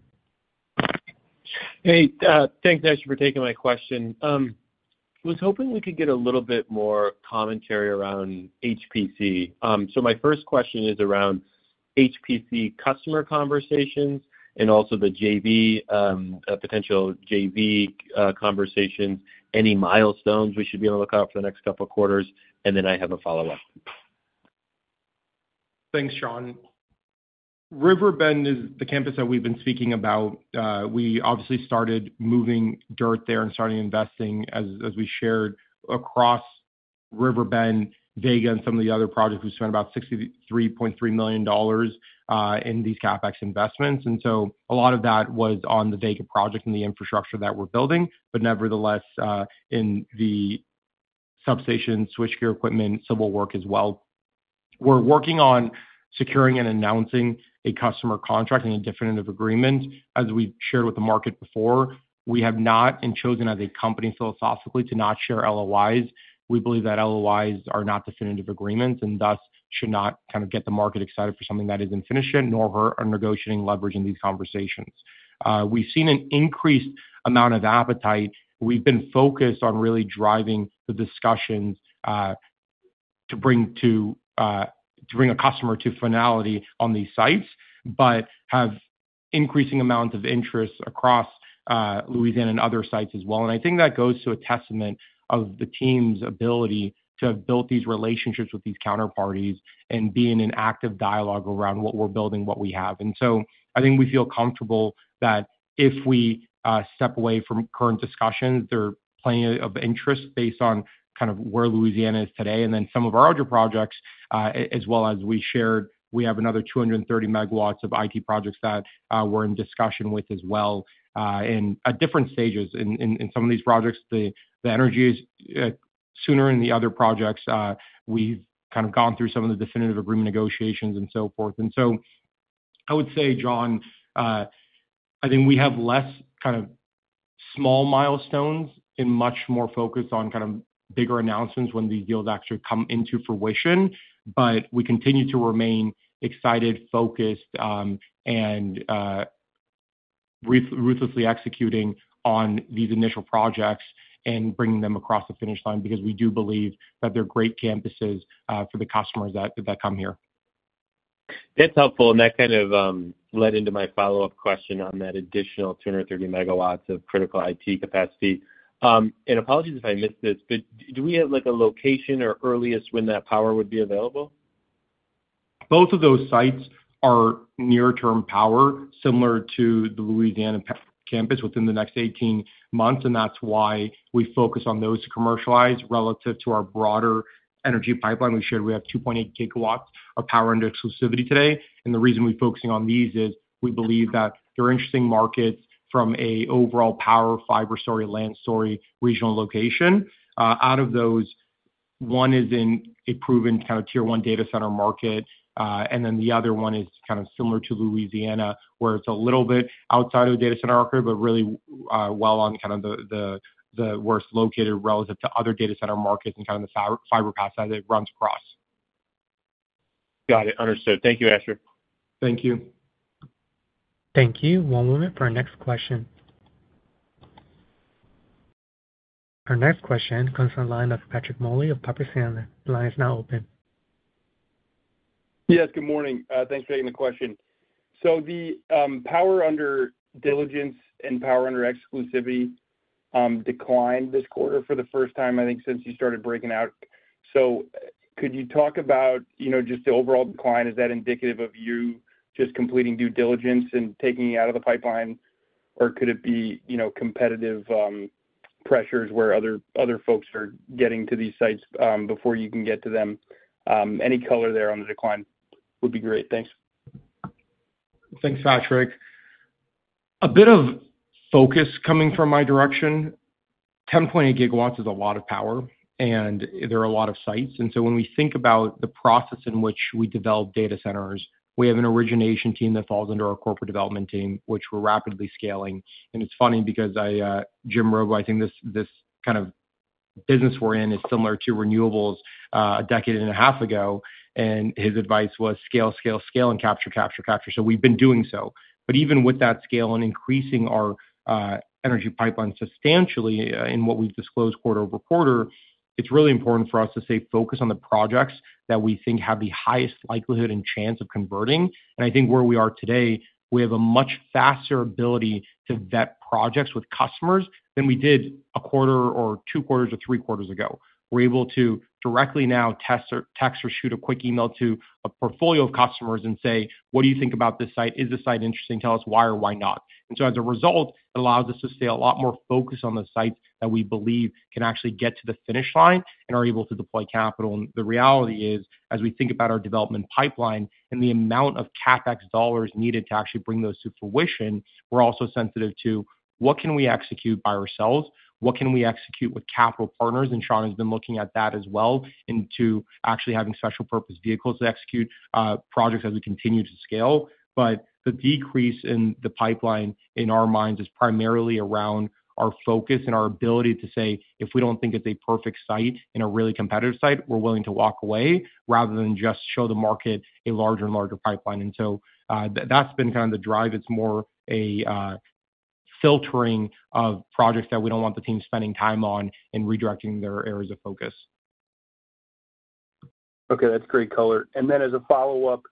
Hey, thanks, Asher, for taking my question. I was hoping we could get a little bit more commentary around HPC. My first question is around HPC customer conversations and also the potential JV conversations, any milestones we should be able to look out for the next couple of quarters, and then I have a follow-up. Thanks, John. Riverbend is the campus that we've been speaking about. We obviously started moving dirt there and starting investing, as we shared, across Riverbend, Vega, and some of the other projects. We spent about $63.3 million in these CapEx investments. A lot of that was on the Vega project and the infrastructure that we're building, but nevertheless in the substation, switchgear equipment, civil work as well. We're working on securing and announcing a customer contract and a definitive agreement. As we've shared with the market before, we have not and chosen as a company philosophically to not share LOIs. We eve that LOIs are not definitive agreements and thus should not kind of get the market excited for something that is not finished yet, nor are negotiating leveraging these conversations. We have seen an increased amount of appetite. We have been focused on really driving the discussions to bring a customer to finality on these sites, but have increasing amounts of interest across Louisiana and other sites as well. I think that goes to a testament of the team's ability to have built these relationships with these counterparties and being in active dialogue around what we are building, what we have. I think we feel comfortable that if we step away from current discussions, there are plenty of interest based on kind of where Louisiana is today. Then some of our other projects, as well as we shared, we have another 230 megawatts of IT projects that we're in discussion with as well in different stages. In some of these projects, the energy is sooner. In the other projects, we've kind of gone through some of the definitive agreement negotiations and so forth. I would say, John, I think we have less kind of small milestones and much more focused on kind of bigger announcements when these deals actually come into fruition. We continue to remain excited, focused, and ruthlessly executing on these initial projects and bringing them across the finish line because we do believe that they're great campuses for the customers that come here. That's helpful. That kind of led into my follow-up question on that additional 230 megawatts of critical IT capacity. Apologies if I missed this, but do we have a location or earliest when that power would be available? Both of those sites are near-term power, similar to the Louisiana campus within the next 18 months. That is why we focus on those to commercialize relative to our broader energy pipeline. We shared we have 2.8 gigawatts of power under exclusivity today. The reason we are focusing on these is we believe that they are interesting markets from an overall power, fiber story, land story, regional location. Out of those, one is in a proven kind of tier one data center market, and then the other one is kind of similar to Louisiana where it is a little bit outside of the data center market, but really well on kind of the worst located relative to other data center markets and kind of the fiber path that it runs across. Got it. Understood. Thank you, Asher. Thank you. Thank you. One moment for our next question. Our next question comes from a line of Patrick Moley of Piper Sandler. The line is now open. Yes, good morning. Thanks for taking the question. So the power under diligence and power under exclusivity declined this quarter for the first time, I think, since you started breaking out. Could you talk about just the overall decline? Is that indicative of you just completing due diligence and taking it out of the pipeline, or could it be competitive pressures where other folks are getting to these sites before you can get to them? Any color there on the decline would be great. Thanks. Thanks, Patrick. A bit of focus coming from my direction. 10,800 megawatts is a lot of power, and there are a lot of sites. When we think about the process in which we develop data centers, we have an origination team that falls under our corporate development team, which we're rapidly scaling. It's funny because Jim Robo, I think this kind of business we're in is similar to renewables a decade and a half ago, and his advice was, "Scale, scale, scale, and capture, capture, capture." We've been doing so. Even with that scale and increasing our energy pipeline substantially in what we've disclosed quarter over quarter, it's really important for us to say, "Focus on the projects that we think have the highest likelihood and chance of converting." I think where we are today, we have a much faster ability to vet projects with customers than we did a quarter or two quarters or three quarters ago. We're able to directly now text or shoot a quick email to a portfolio of customers and say, "What do you think about this site? Is this site interesting? Tell us why or why not." As a result, it allows us to stay a lot more focused on the sites that we believe can actually get to the finish line and are able to deploy capital. The reality is, as we think about our development pipeline and the amount of CapEx dollars needed to actually bring those to fruition, we're also sensitive to what can we execute by ourselves, what can we execute with capital partners. Sean has been looking at that as well into actually having special purpose vehicles to execute projects as we continue to scale. The decrease in the pipeline in our minds is primarily around our focus and our ability to say, "If we do not think it is a perfect site and a really competitive site, we are willing to walk away," rather than just show the market a larger and larger pipeline. That has been kind of the drive. It is more a filtering of projects that we do not want the team spending time on and redirecting their areas of focus. Okay. That is great, Color. As a follow-up,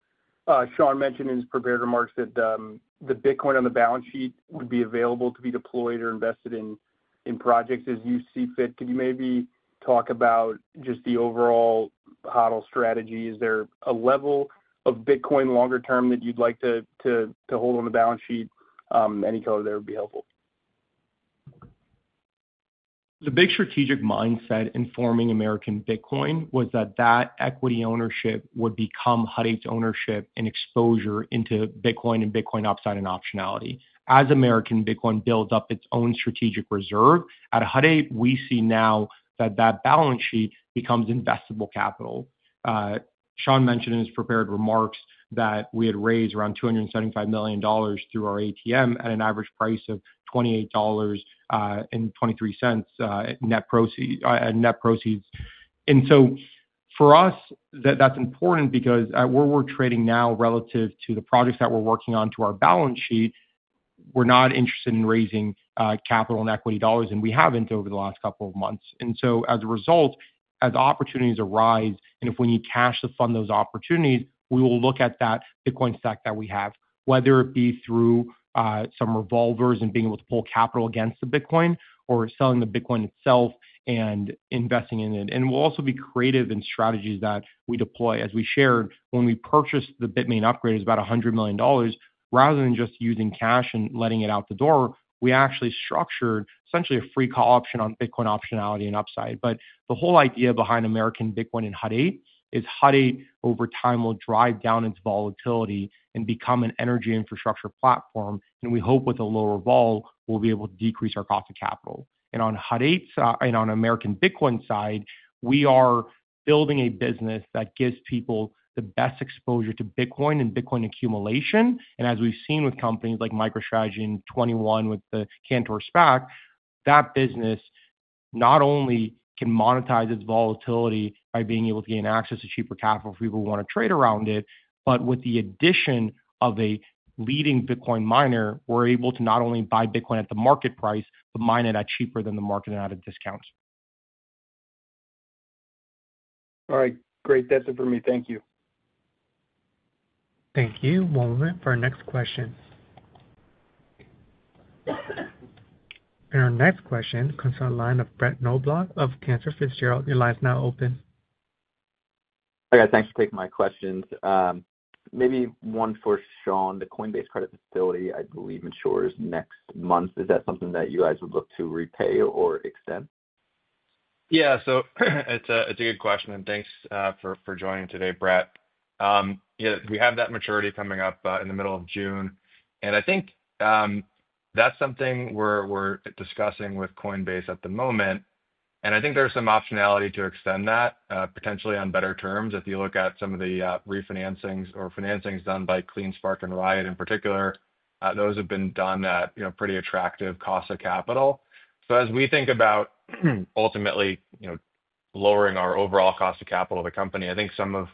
Sean mentioned in his prepared remarks that the Bitcoin on the balance sheet would be available to be deployed or invested in projects as you see fit. Could you maybe talk about just the overall HODL strategy? Is there a level of Bitcoin longer term that you would like to hold on the balance sheet? Any color there would be helpful. The big strategic mindset informing American Bitcoin was that equity ownership would become Hut 8's ownership and exposure into Bitcoin and Bitcoin upside and optionality. As American Bitcoin builds up its own strategic reserve at Hut 8, we see now that balance sheet becomes investable capital. Sean mentioned in his prepared remarks that we had raised around $275 million through our ATM at an average price of $28.23 net proceeds. For us, that's important because where we're trading now relative to the projects that we're working on to our balance sheet, we're not interested in raising capital and equity dollars, and we haven't over the last couple of months. As a result, as opportunities arise, and if we need cash to fund those opportunities, we will look at that Bitcoin stack that we have, whether it be through some revolvers and being able to pull capital against the Bitcoin or selling the Bitcoin itself and investing in it. We will also be creative in strategies that we deploy. As we shared, when we purchased the Bitmain upgrade, it was about $100 million. Rather than just using cash and letting it out the door, we actually structured essentially a free call option on Bitcoin optionality and upside. The whole idea behind American Bitcoin and Hut 8 is Hut 8 over time will drive down its volatility and become an energy infrastructure platform. We hope with a lower vol, we will be able to decrease our cost of capital. On Hut 8 and on American Bitcoin side, we are building a business that gives people the best exposure to Bitcoin and Bitcoin accumulation. As we have seen with companies like MicroStrategy in 2021 with the Cantor SPAC, that business not only can monetize its volatility by being able to gain access to cheaper capital for people who want to trade around it, but with the addition of a leading Bitcoin miner, we are able to not only buy Bitcoin at the market price, but mine it at cheaper than the market and at a discount. All right. Great. That is it for me. Thank you. Thank you. One moment for our next question. Our next question comes from a line of Brett Nobloch of Cantor Fitzgerald. Your line is now open. Hi, guys. Thanks for taking my questions. Maybe one for Sean. The Coinbase credit facility, I believe, matures next month. Is that something that you guys would look to repay or extend? Yeah. So it's a good question. And thanks for joining today, Brett. Yeah, we have that maturity coming up in the middle of June. I think that's something we're discussing with Coinbase at the moment. I think there's some optionality to extend that potentially on better terms. If you look at some of the refinancings or financings done by CleanSpark and Riot in particular, those have been done at pretty attractive cost of capital. As we think about ultimately lowering our overall cost of capital of the company, I think some of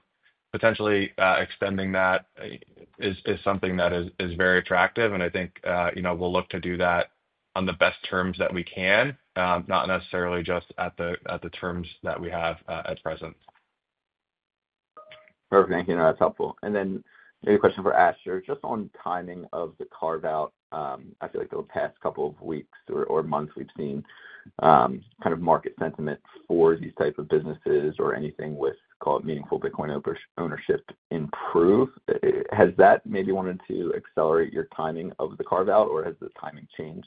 potentially extending that is something that is very attractive. I think we'll look to do that on the best terms that we can, not necessarily just at the terms that we have at present. Perfect. Thank you. No, that's helpful. Maybe a question for Asher. Just on timing of the carve-out, I feel like the past couple of weeks or months we've seen kind of market sentiment for these types of businesses or anything with, call it, meaningful Bitcoin ownership improve. Has that maybe wanted to accelerate your timing of the carve-out, or has the timing changed?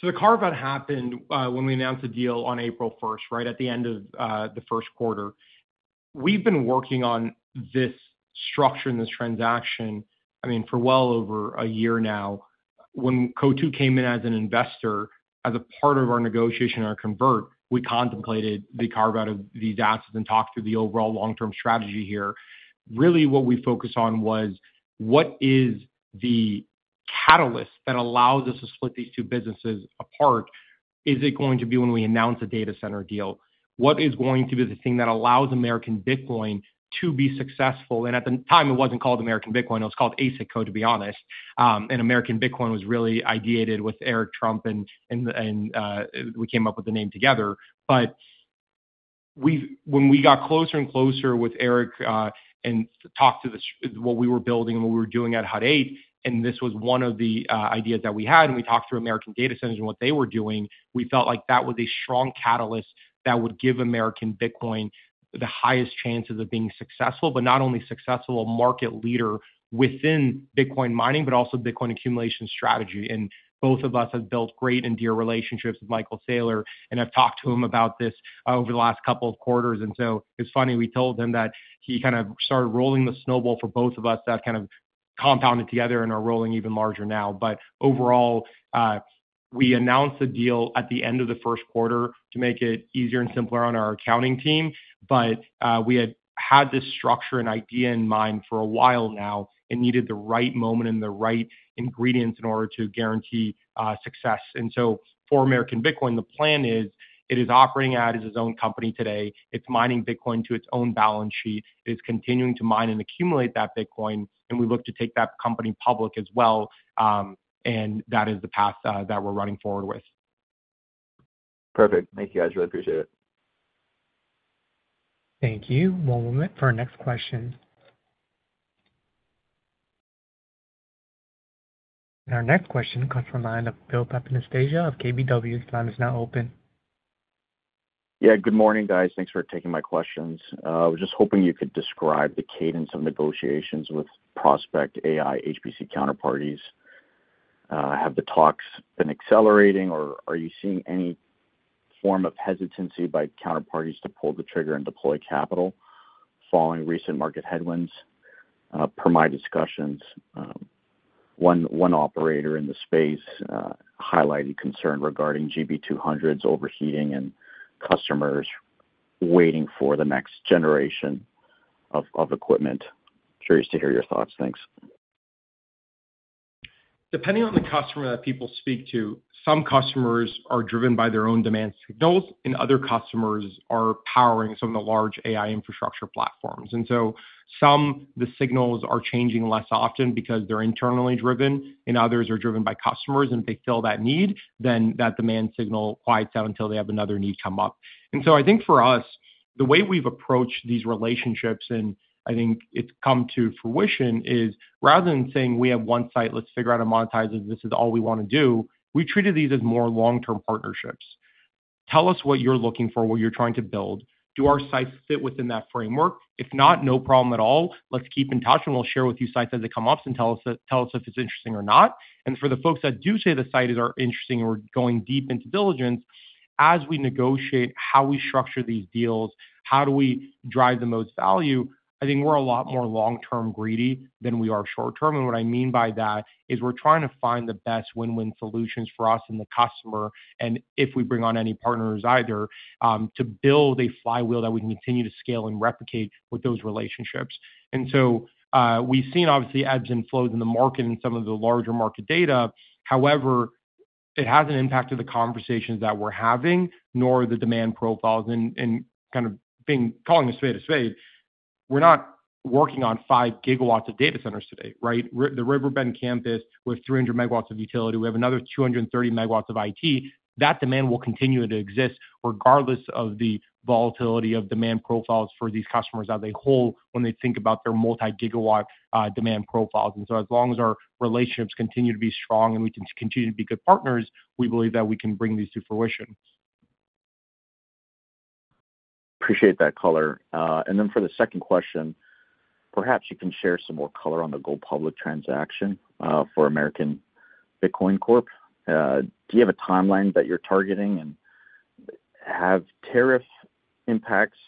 The carve-out happened when we announced the deal on April 1, right at the end of the first quarter. We've been working on this structure and this transaction, I mean, for well over a year now. When Coatue came in as an investor, as a part of our negotiation in our convert, we contemplated the carve-out of these assets and talked through the overall long-term strategy here. Really, what we focused on was, what is the catalyst that allows us to split these two businesses apart? Is it going to be when we announce a data center deal? What is going to be the thing that allows American Bitcoin to be successful? At the time, it was not called American Bitcoin. It was called ASIC, to be honest. American Bitcoin was really ideated with Eric Trump, and we came up with the name together. When we got closer and closer with Eric and talked to what we were building and what we were doing at Hut 8, and this was one of the ideas that we had, and we talked through American data centers and what they were doing, we felt like that was a strong catalyst that would give American Bitcoin the highest chances of being successful, but not only successful, a market leader within Bitcoin mining, but also Bitcoin accumulation strategy. Both of us have built great and dear relationships with Michael Saylor, and I've talked to him about this over the last couple of quarters. It's funny. We told him that he kind of started rolling the snowball for both of us that kind of compounded together and are rolling even larger now. Overall, we announced the deal at the end of the first quarter to make it easier and simpler on our accounting team. We had had this structure and idea in mind for a while now and needed the right moment and the right ingredients in order to guarantee success. For American Bitcoin, the plan is it is operating out as its own company today. It is mining Bitcoin to its own balance sheet. It is continuing to mine and accumulate that Bitcoin. We look to take that company public as well. That is the path that we're running forward with. Perfect. Thank you, guys. Really appreciate it. Thank you. One moment for our next question. Our next question comes from a line of Bill Pepin Astage of KBW. The line is now open. Yeah. Good morning, guys. Thanks for taking my questions. I was just hoping you could describe the cadence of negotiations with prospect AI HBC counterparties. Have the talks been accelerating, or are you seeing any form of hesitancy by counterparties to pull the trigger and deploy capital following recent market headwinds? Per my discussions, one operator in the space highlighted concern regarding GB200s overheating and customers waiting for the next generation of equipment. Curious to hear your thoughts. Thanks. Depending on the customer that people speak to, some customers are driven by their own demand signals, and other customers are powering some of the large AI infrastructure platforms. Some, the signals are changing less often because they are internally driven, and others are driven by customers. If they fill that need, then that demand signal quiets down until they have another need come up. I think for us, the way we've approached these relationships, and I think it's come to fruition, is rather than saying, "We have one site. Let's figure out a monetizer. This is all we want to do," we treated these as more long-term partnerships. Tell us what you're looking for, what you're trying to build. Do our sites fit within that framework? If not, no problem at all. Let's keep in touch, and we'll share with you sites as they come up and tell us if it's interesting or not. For the folks that do say the site is interesting and we're going deep into diligence, as we negotiate how we structure these deals, how do we drive the most value, I think we're a lot more long-term greedy than we are short-term. What I mean by that is we're trying to find the best win-win solutions for us and the customer, and if we bring on any partners either, to build a flywheel that we can continue to scale and replicate with those relationships. We've seen, obviously, ebbs and flows in the market and some of the larger market data. However, it hasn't impacted the conversations that we're having, nor the demand profiles. Kind of calling us fade to fade, we're not working on five gigawatts of data centers today, right? The Riverbend campus with 300 megawatts of utility. We have another 230 megawatts of IT. That demand will continue to exist regardless of the volatility of demand profiles for these customers as a whole when they think about their multi-gigawatt demand profiles. As long as our relationships continue to be strong and we can continue to be good partners, we believe that we can bring these to fruition. Appreciate that, Color. For the second question, perhaps you can share some more color on the gold public transaction for American Bitcoin. Do you have a timeline that you're targeting? Have tariff impacts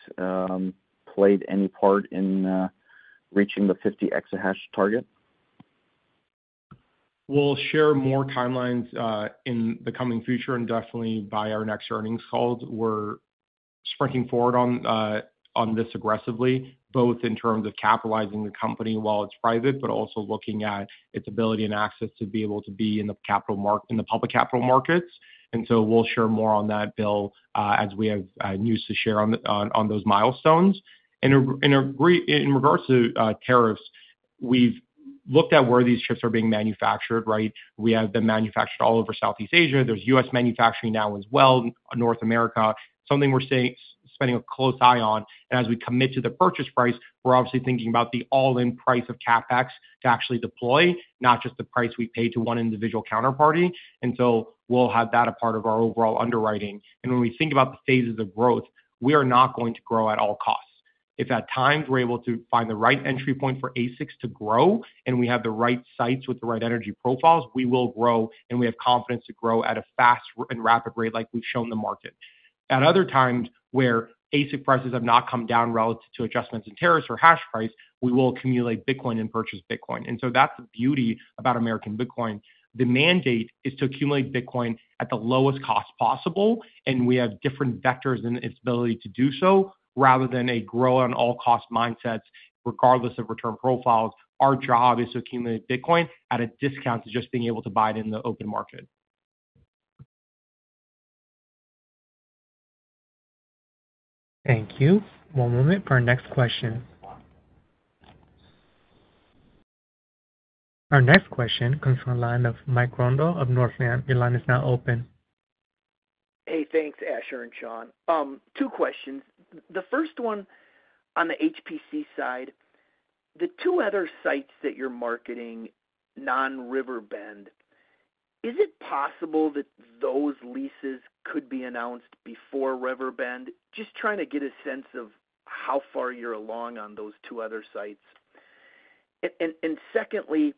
played any part in reaching the 50 exahash target? We will share more timelines in the coming future, and definitely by our next earnings calls. We are sprinting forward on this aggressively, both in terms of capitalizing the company while it is private, but also looking at its ability and access to be able to be in the public capital markets. We will share more on that, Bill, as we have news to share on those milestones. In regards to tariffs, we've looked at where these chips are being manufactured, right? We have them manufactured all over Southeast Asia. There's U.S. manufacturing now as well, North America, something we're spending a close eye on. As we commit to the purchase price, we're obviously thinking about the all-in price of CapEx to actually deploy, not just the price we pay to one individual counterparty. We'll have that a part of our overall underwriting. When we think about the phases of growth, we are not going to grow at all costs. If at times we're able to find the right entry point for ASICs to grow, and we have the right sites with the right energy profiles, we will grow, and we have confidence to grow at a fast and rapid rate like we've shown the market. At other times where ASIC prices have not come down relative to adjustments in tariffs or hash price, we will accumulate Bitcoin and purchase Bitcoin. That is the beauty about American Bitcoin. The mandate is to accumulate Bitcoin at the lowest cost possible, and we have different vectors in its ability to do so rather than a grow-on-all-cost mindset regardless of return profiles. Our job is to accumulate Bitcoin at a discount to just being able to buy it in the open market. Thank you. One moment for our next question. Our next question comes from a line of Mike Rondo of Northland. Your line is now open. Hey, thanks, Asher and Sean. Two questions. The first one on the HPC side, the two other sites that you are marketing, non-Riverbend, is it possible that those leases could be announced before Riverbend? Just trying to get a sense of how far you're along on those two other sites. Secondly,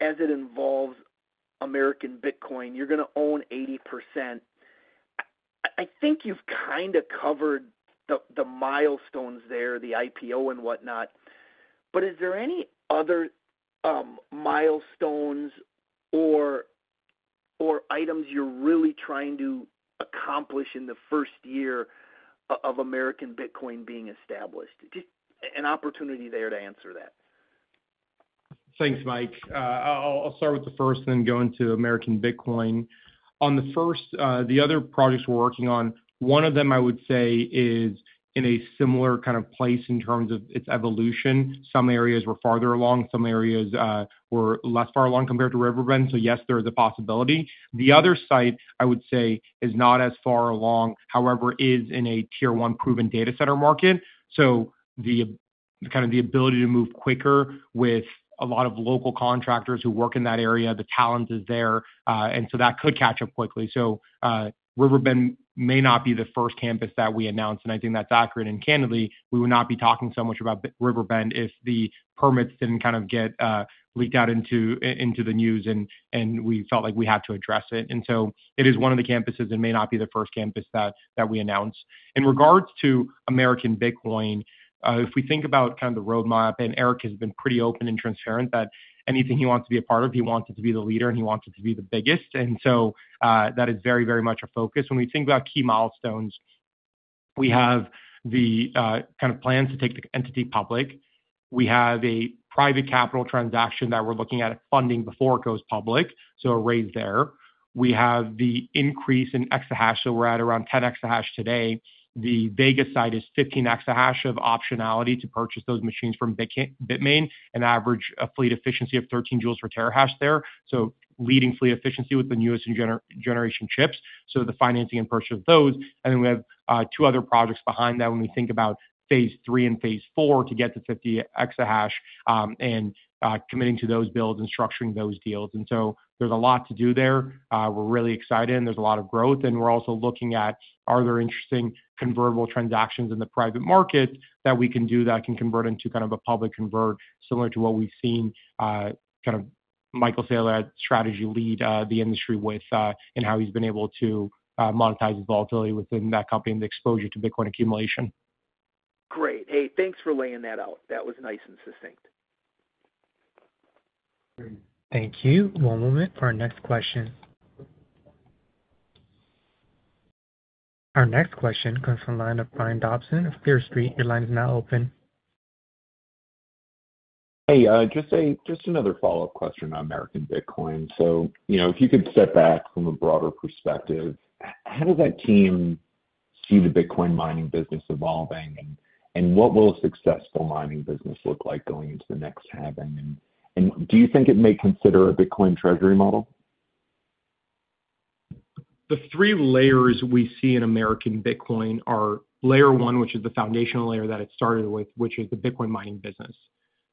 as it involves American Bitcoin, you're going to own 80%. I think you've kind of covered the milestones there, the IPO and whatnot. Is there any other milestones or items you're really trying to accomplish in the first year of American Bitcoin being established? Just an opportunity there to answer that. Thanks, Mike. I'll start with the first and then go into American Bitcoin. On the first, the other projects we're working on, one of them, I would say, is in a similar kind of place in terms of its evolution. Some areas were farther along. Some areas were less far along compared to Riverbend. Yes, there is a possibility. The other site, I would say, is not as far along, however, is in a tier-one proven data center market. Kind of the ability to move quicker with a lot of local contractors who work in that area, the talent is there. That could catch up quickly. Riverbend may not be the first campus that we announced. I think that's accurate. Candidly, we would not be talking so much about Riverbend if the permits did not kind of get leaked out into the news and we felt like we had to address it. It is one of the campuses and may not be the first campus that we announce. In regards to American Bitcoin, if we think about kind of the roadmap, and Eric has been pretty open and transparent that anything he wants to be a part of, he wants it to be the leader, and he wants it to be the biggest. That is very, very much a focus. When we think about key milestones, we have the kind of plans to take the entity public. We have a private capital transaction that we're looking at funding before it goes public, so a raise there. We have the increase in exahash. We're at around 10 exahash today. The Vega site is 15 exahash of optionality to purchase those machines from Bitmain and average a fleet efficiency of 13 joules per terahash there. Leading fleet efficiency with the newest generation chips. The financing and purchase of those. We have two other projects behind that when we think about phase three and phase four to get to 50 exahash and committing to those builds and structuring those deals. There's a lot to do there. We're really excited, and there's a lot of growth. We're also looking at, are there interesting convertible transactions in the private market that we can do that can convert into kind of a public convert similar to what we've seen Michael Saylor at MicroStrategy lead the industry with and how he's been able to monetize his volatility within that company and the exposure to Bitcoin accumulation. Great. Hey, thanks for laying that out. That was nice and succinct. Thank you. One moment for our next question. Our next question comes from a line of Brian Dobson of Clear Street. Your line is now open. Hey, just another follow-up question on American Bitcoin. If you could step back from a broader perspective, how does that team see the Bitcoin mining business evolving, and what will a successful mining business look like going into the next halving? Do you think it may consider a Bitcoin treasury model? The three layers we see in American Bitcoin are layer one, which is the foundational layer that it started with, which is the Bitcoin mining business.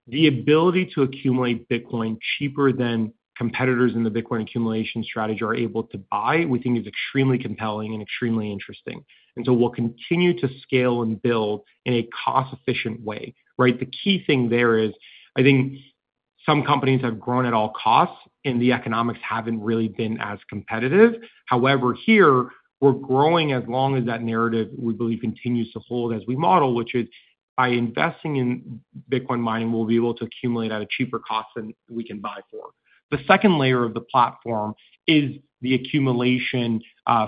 The ability to accumulate Bitcoin cheaper than competitors in the Bitcoin accumulation strategy are able to buy, we think is extremely compelling and extremely interesting. We will continue to scale and build in a cost-efficient way, right? The key thing there is I think some companies have grown at all costs, and the economics have not really been as competitive. However, here, we are growing as long as that narrative we believe continues to hold as we model, which is by investing in Bitcoin mining, we will be able to accumulate at a cheaper cost than we can buy for. The second layer of the platform is the accumulation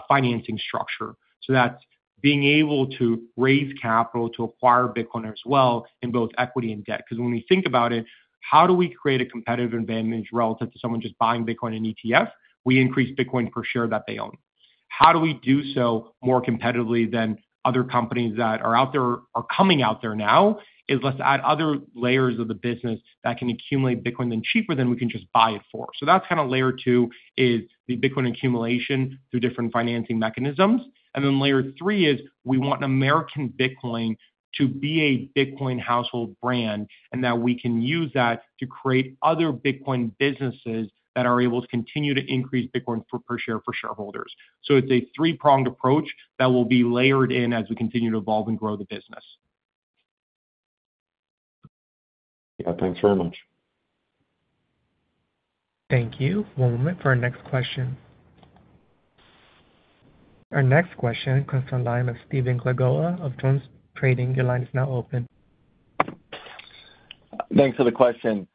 financing structure. That's being able to raise capital to acquire Bitcoin as well in both equity and debt. Because when we think about it, how do we create a competitive advantage relative to someone just buying Bitcoin in an ETF? We increase Bitcoin per share that they own. How do we do so more competitively than other companies that are out there or coming out there now? Let's add other layers of the business that can accumulate Bitcoin cheaper than we can just buy it for. That's kind of layer two, the Bitcoin accumulation through different financing mechanisms. Then layer three is we want American Bitcoin to be a Bitcoin household brand and that we can use that to create other Bitcoin businesses that are able to continue to increase Bitcoin per share for shareholders. It's a three-pronged approach that will be layered in as we continue to evolve and grow the business. Yeah, thanks very much. Thank you. One moment for our next question. Our next question comes from a line of Stephen Glagola of JonesTrading. Your line is now open. Thanks for the question.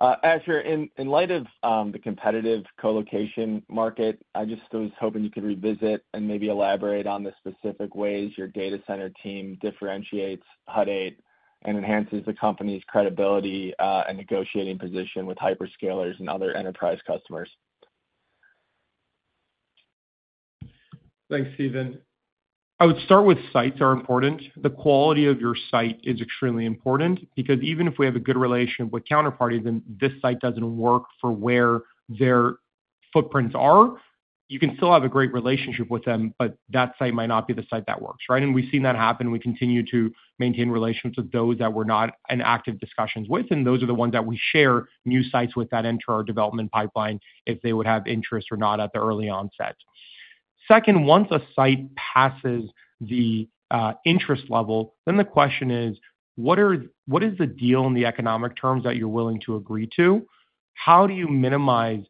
Asher, in light of the competitive colocation market, I just was hoping you could revisit and maybe elaborate on the specific ways your data center team differentiates Hut 8 and enhances the company's credibility and negotiating position with hyperscalers and other enterprise customers. Thanks, Stephen. I would start with sites are important. The quality of your site is extremely important because even if we have a good relationship with counterparties and this site does not work for where their footprints are, you can still have a great relationship with them, but that site might not be the site that works, right? We have seen that happen. We continue to maintain relationships with those that we are not in active discussions with, and those are the ones that we share new sites with that enter our development pipeline if they would have interest or not at the early onset. Second, once a site passes the interest level, then the question is, what is the deal in the economic terms that you are willing to agree to? How do you minimize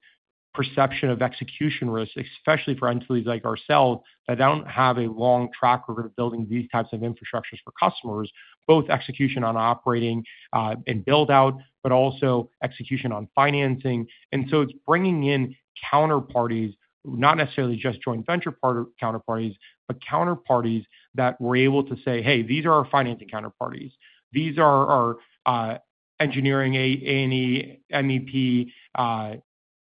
perception of execution risk, especially for entities like ourselves that do not have a long track of building these types of infrastructures for customers, both execution on operating and build-out, but also execution on financing? It is bringing in counterparties, not necessarily just joint venture counterparties, but counterparties that we are able to say, "Hey, these are our financing counterparties. These are our engineering, A&E, MEP,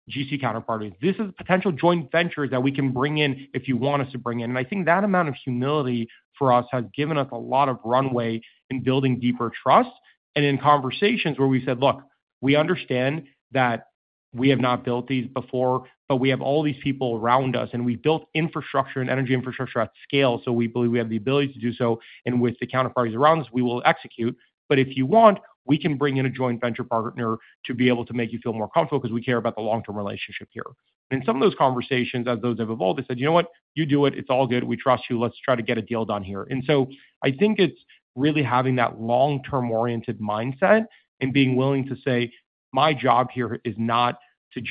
GC counterparties. This is potential joint ventures that we can bring in if you want us to bring in." I think that amount of humility for us has given us a lot of runway in building deeper trust. In conversations where we said, "Look, we understand that we have not built these before, but we have all these people around us, and we have built infrastructure and energy infrastructure at scale. We believe we have the ability to do so. With the counterparties around us, we will execute. If you want, we can bring in a joint venture partner to be able to make you feel more comfortable because we care about the long-term relationship here. In some of those conversations, as those have evolved, they said, "You know what? You do it. It's all good. We trust you. Let's try to get a deal done here." I think it's really having that long-term-oriented mindset and being willing to say, "My job here is not to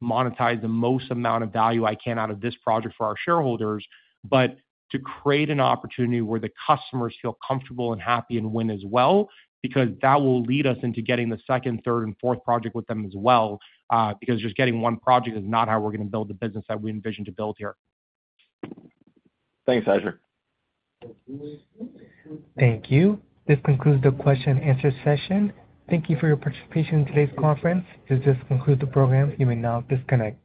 just monetize the most amount of value I can out of this project for our shareholders, but to create an opportunity where the customers feel comfortable and happy and win as well because that will lead us into getting the second, third, and fourth project with them as well because just getting one project is not how we're going to build the business that we envision to build here." Thanks, Asher. Thank you. This concludes the question-and-answer session. Thank you for your participation in today's conference. This does conclude the program. You may now disconnect.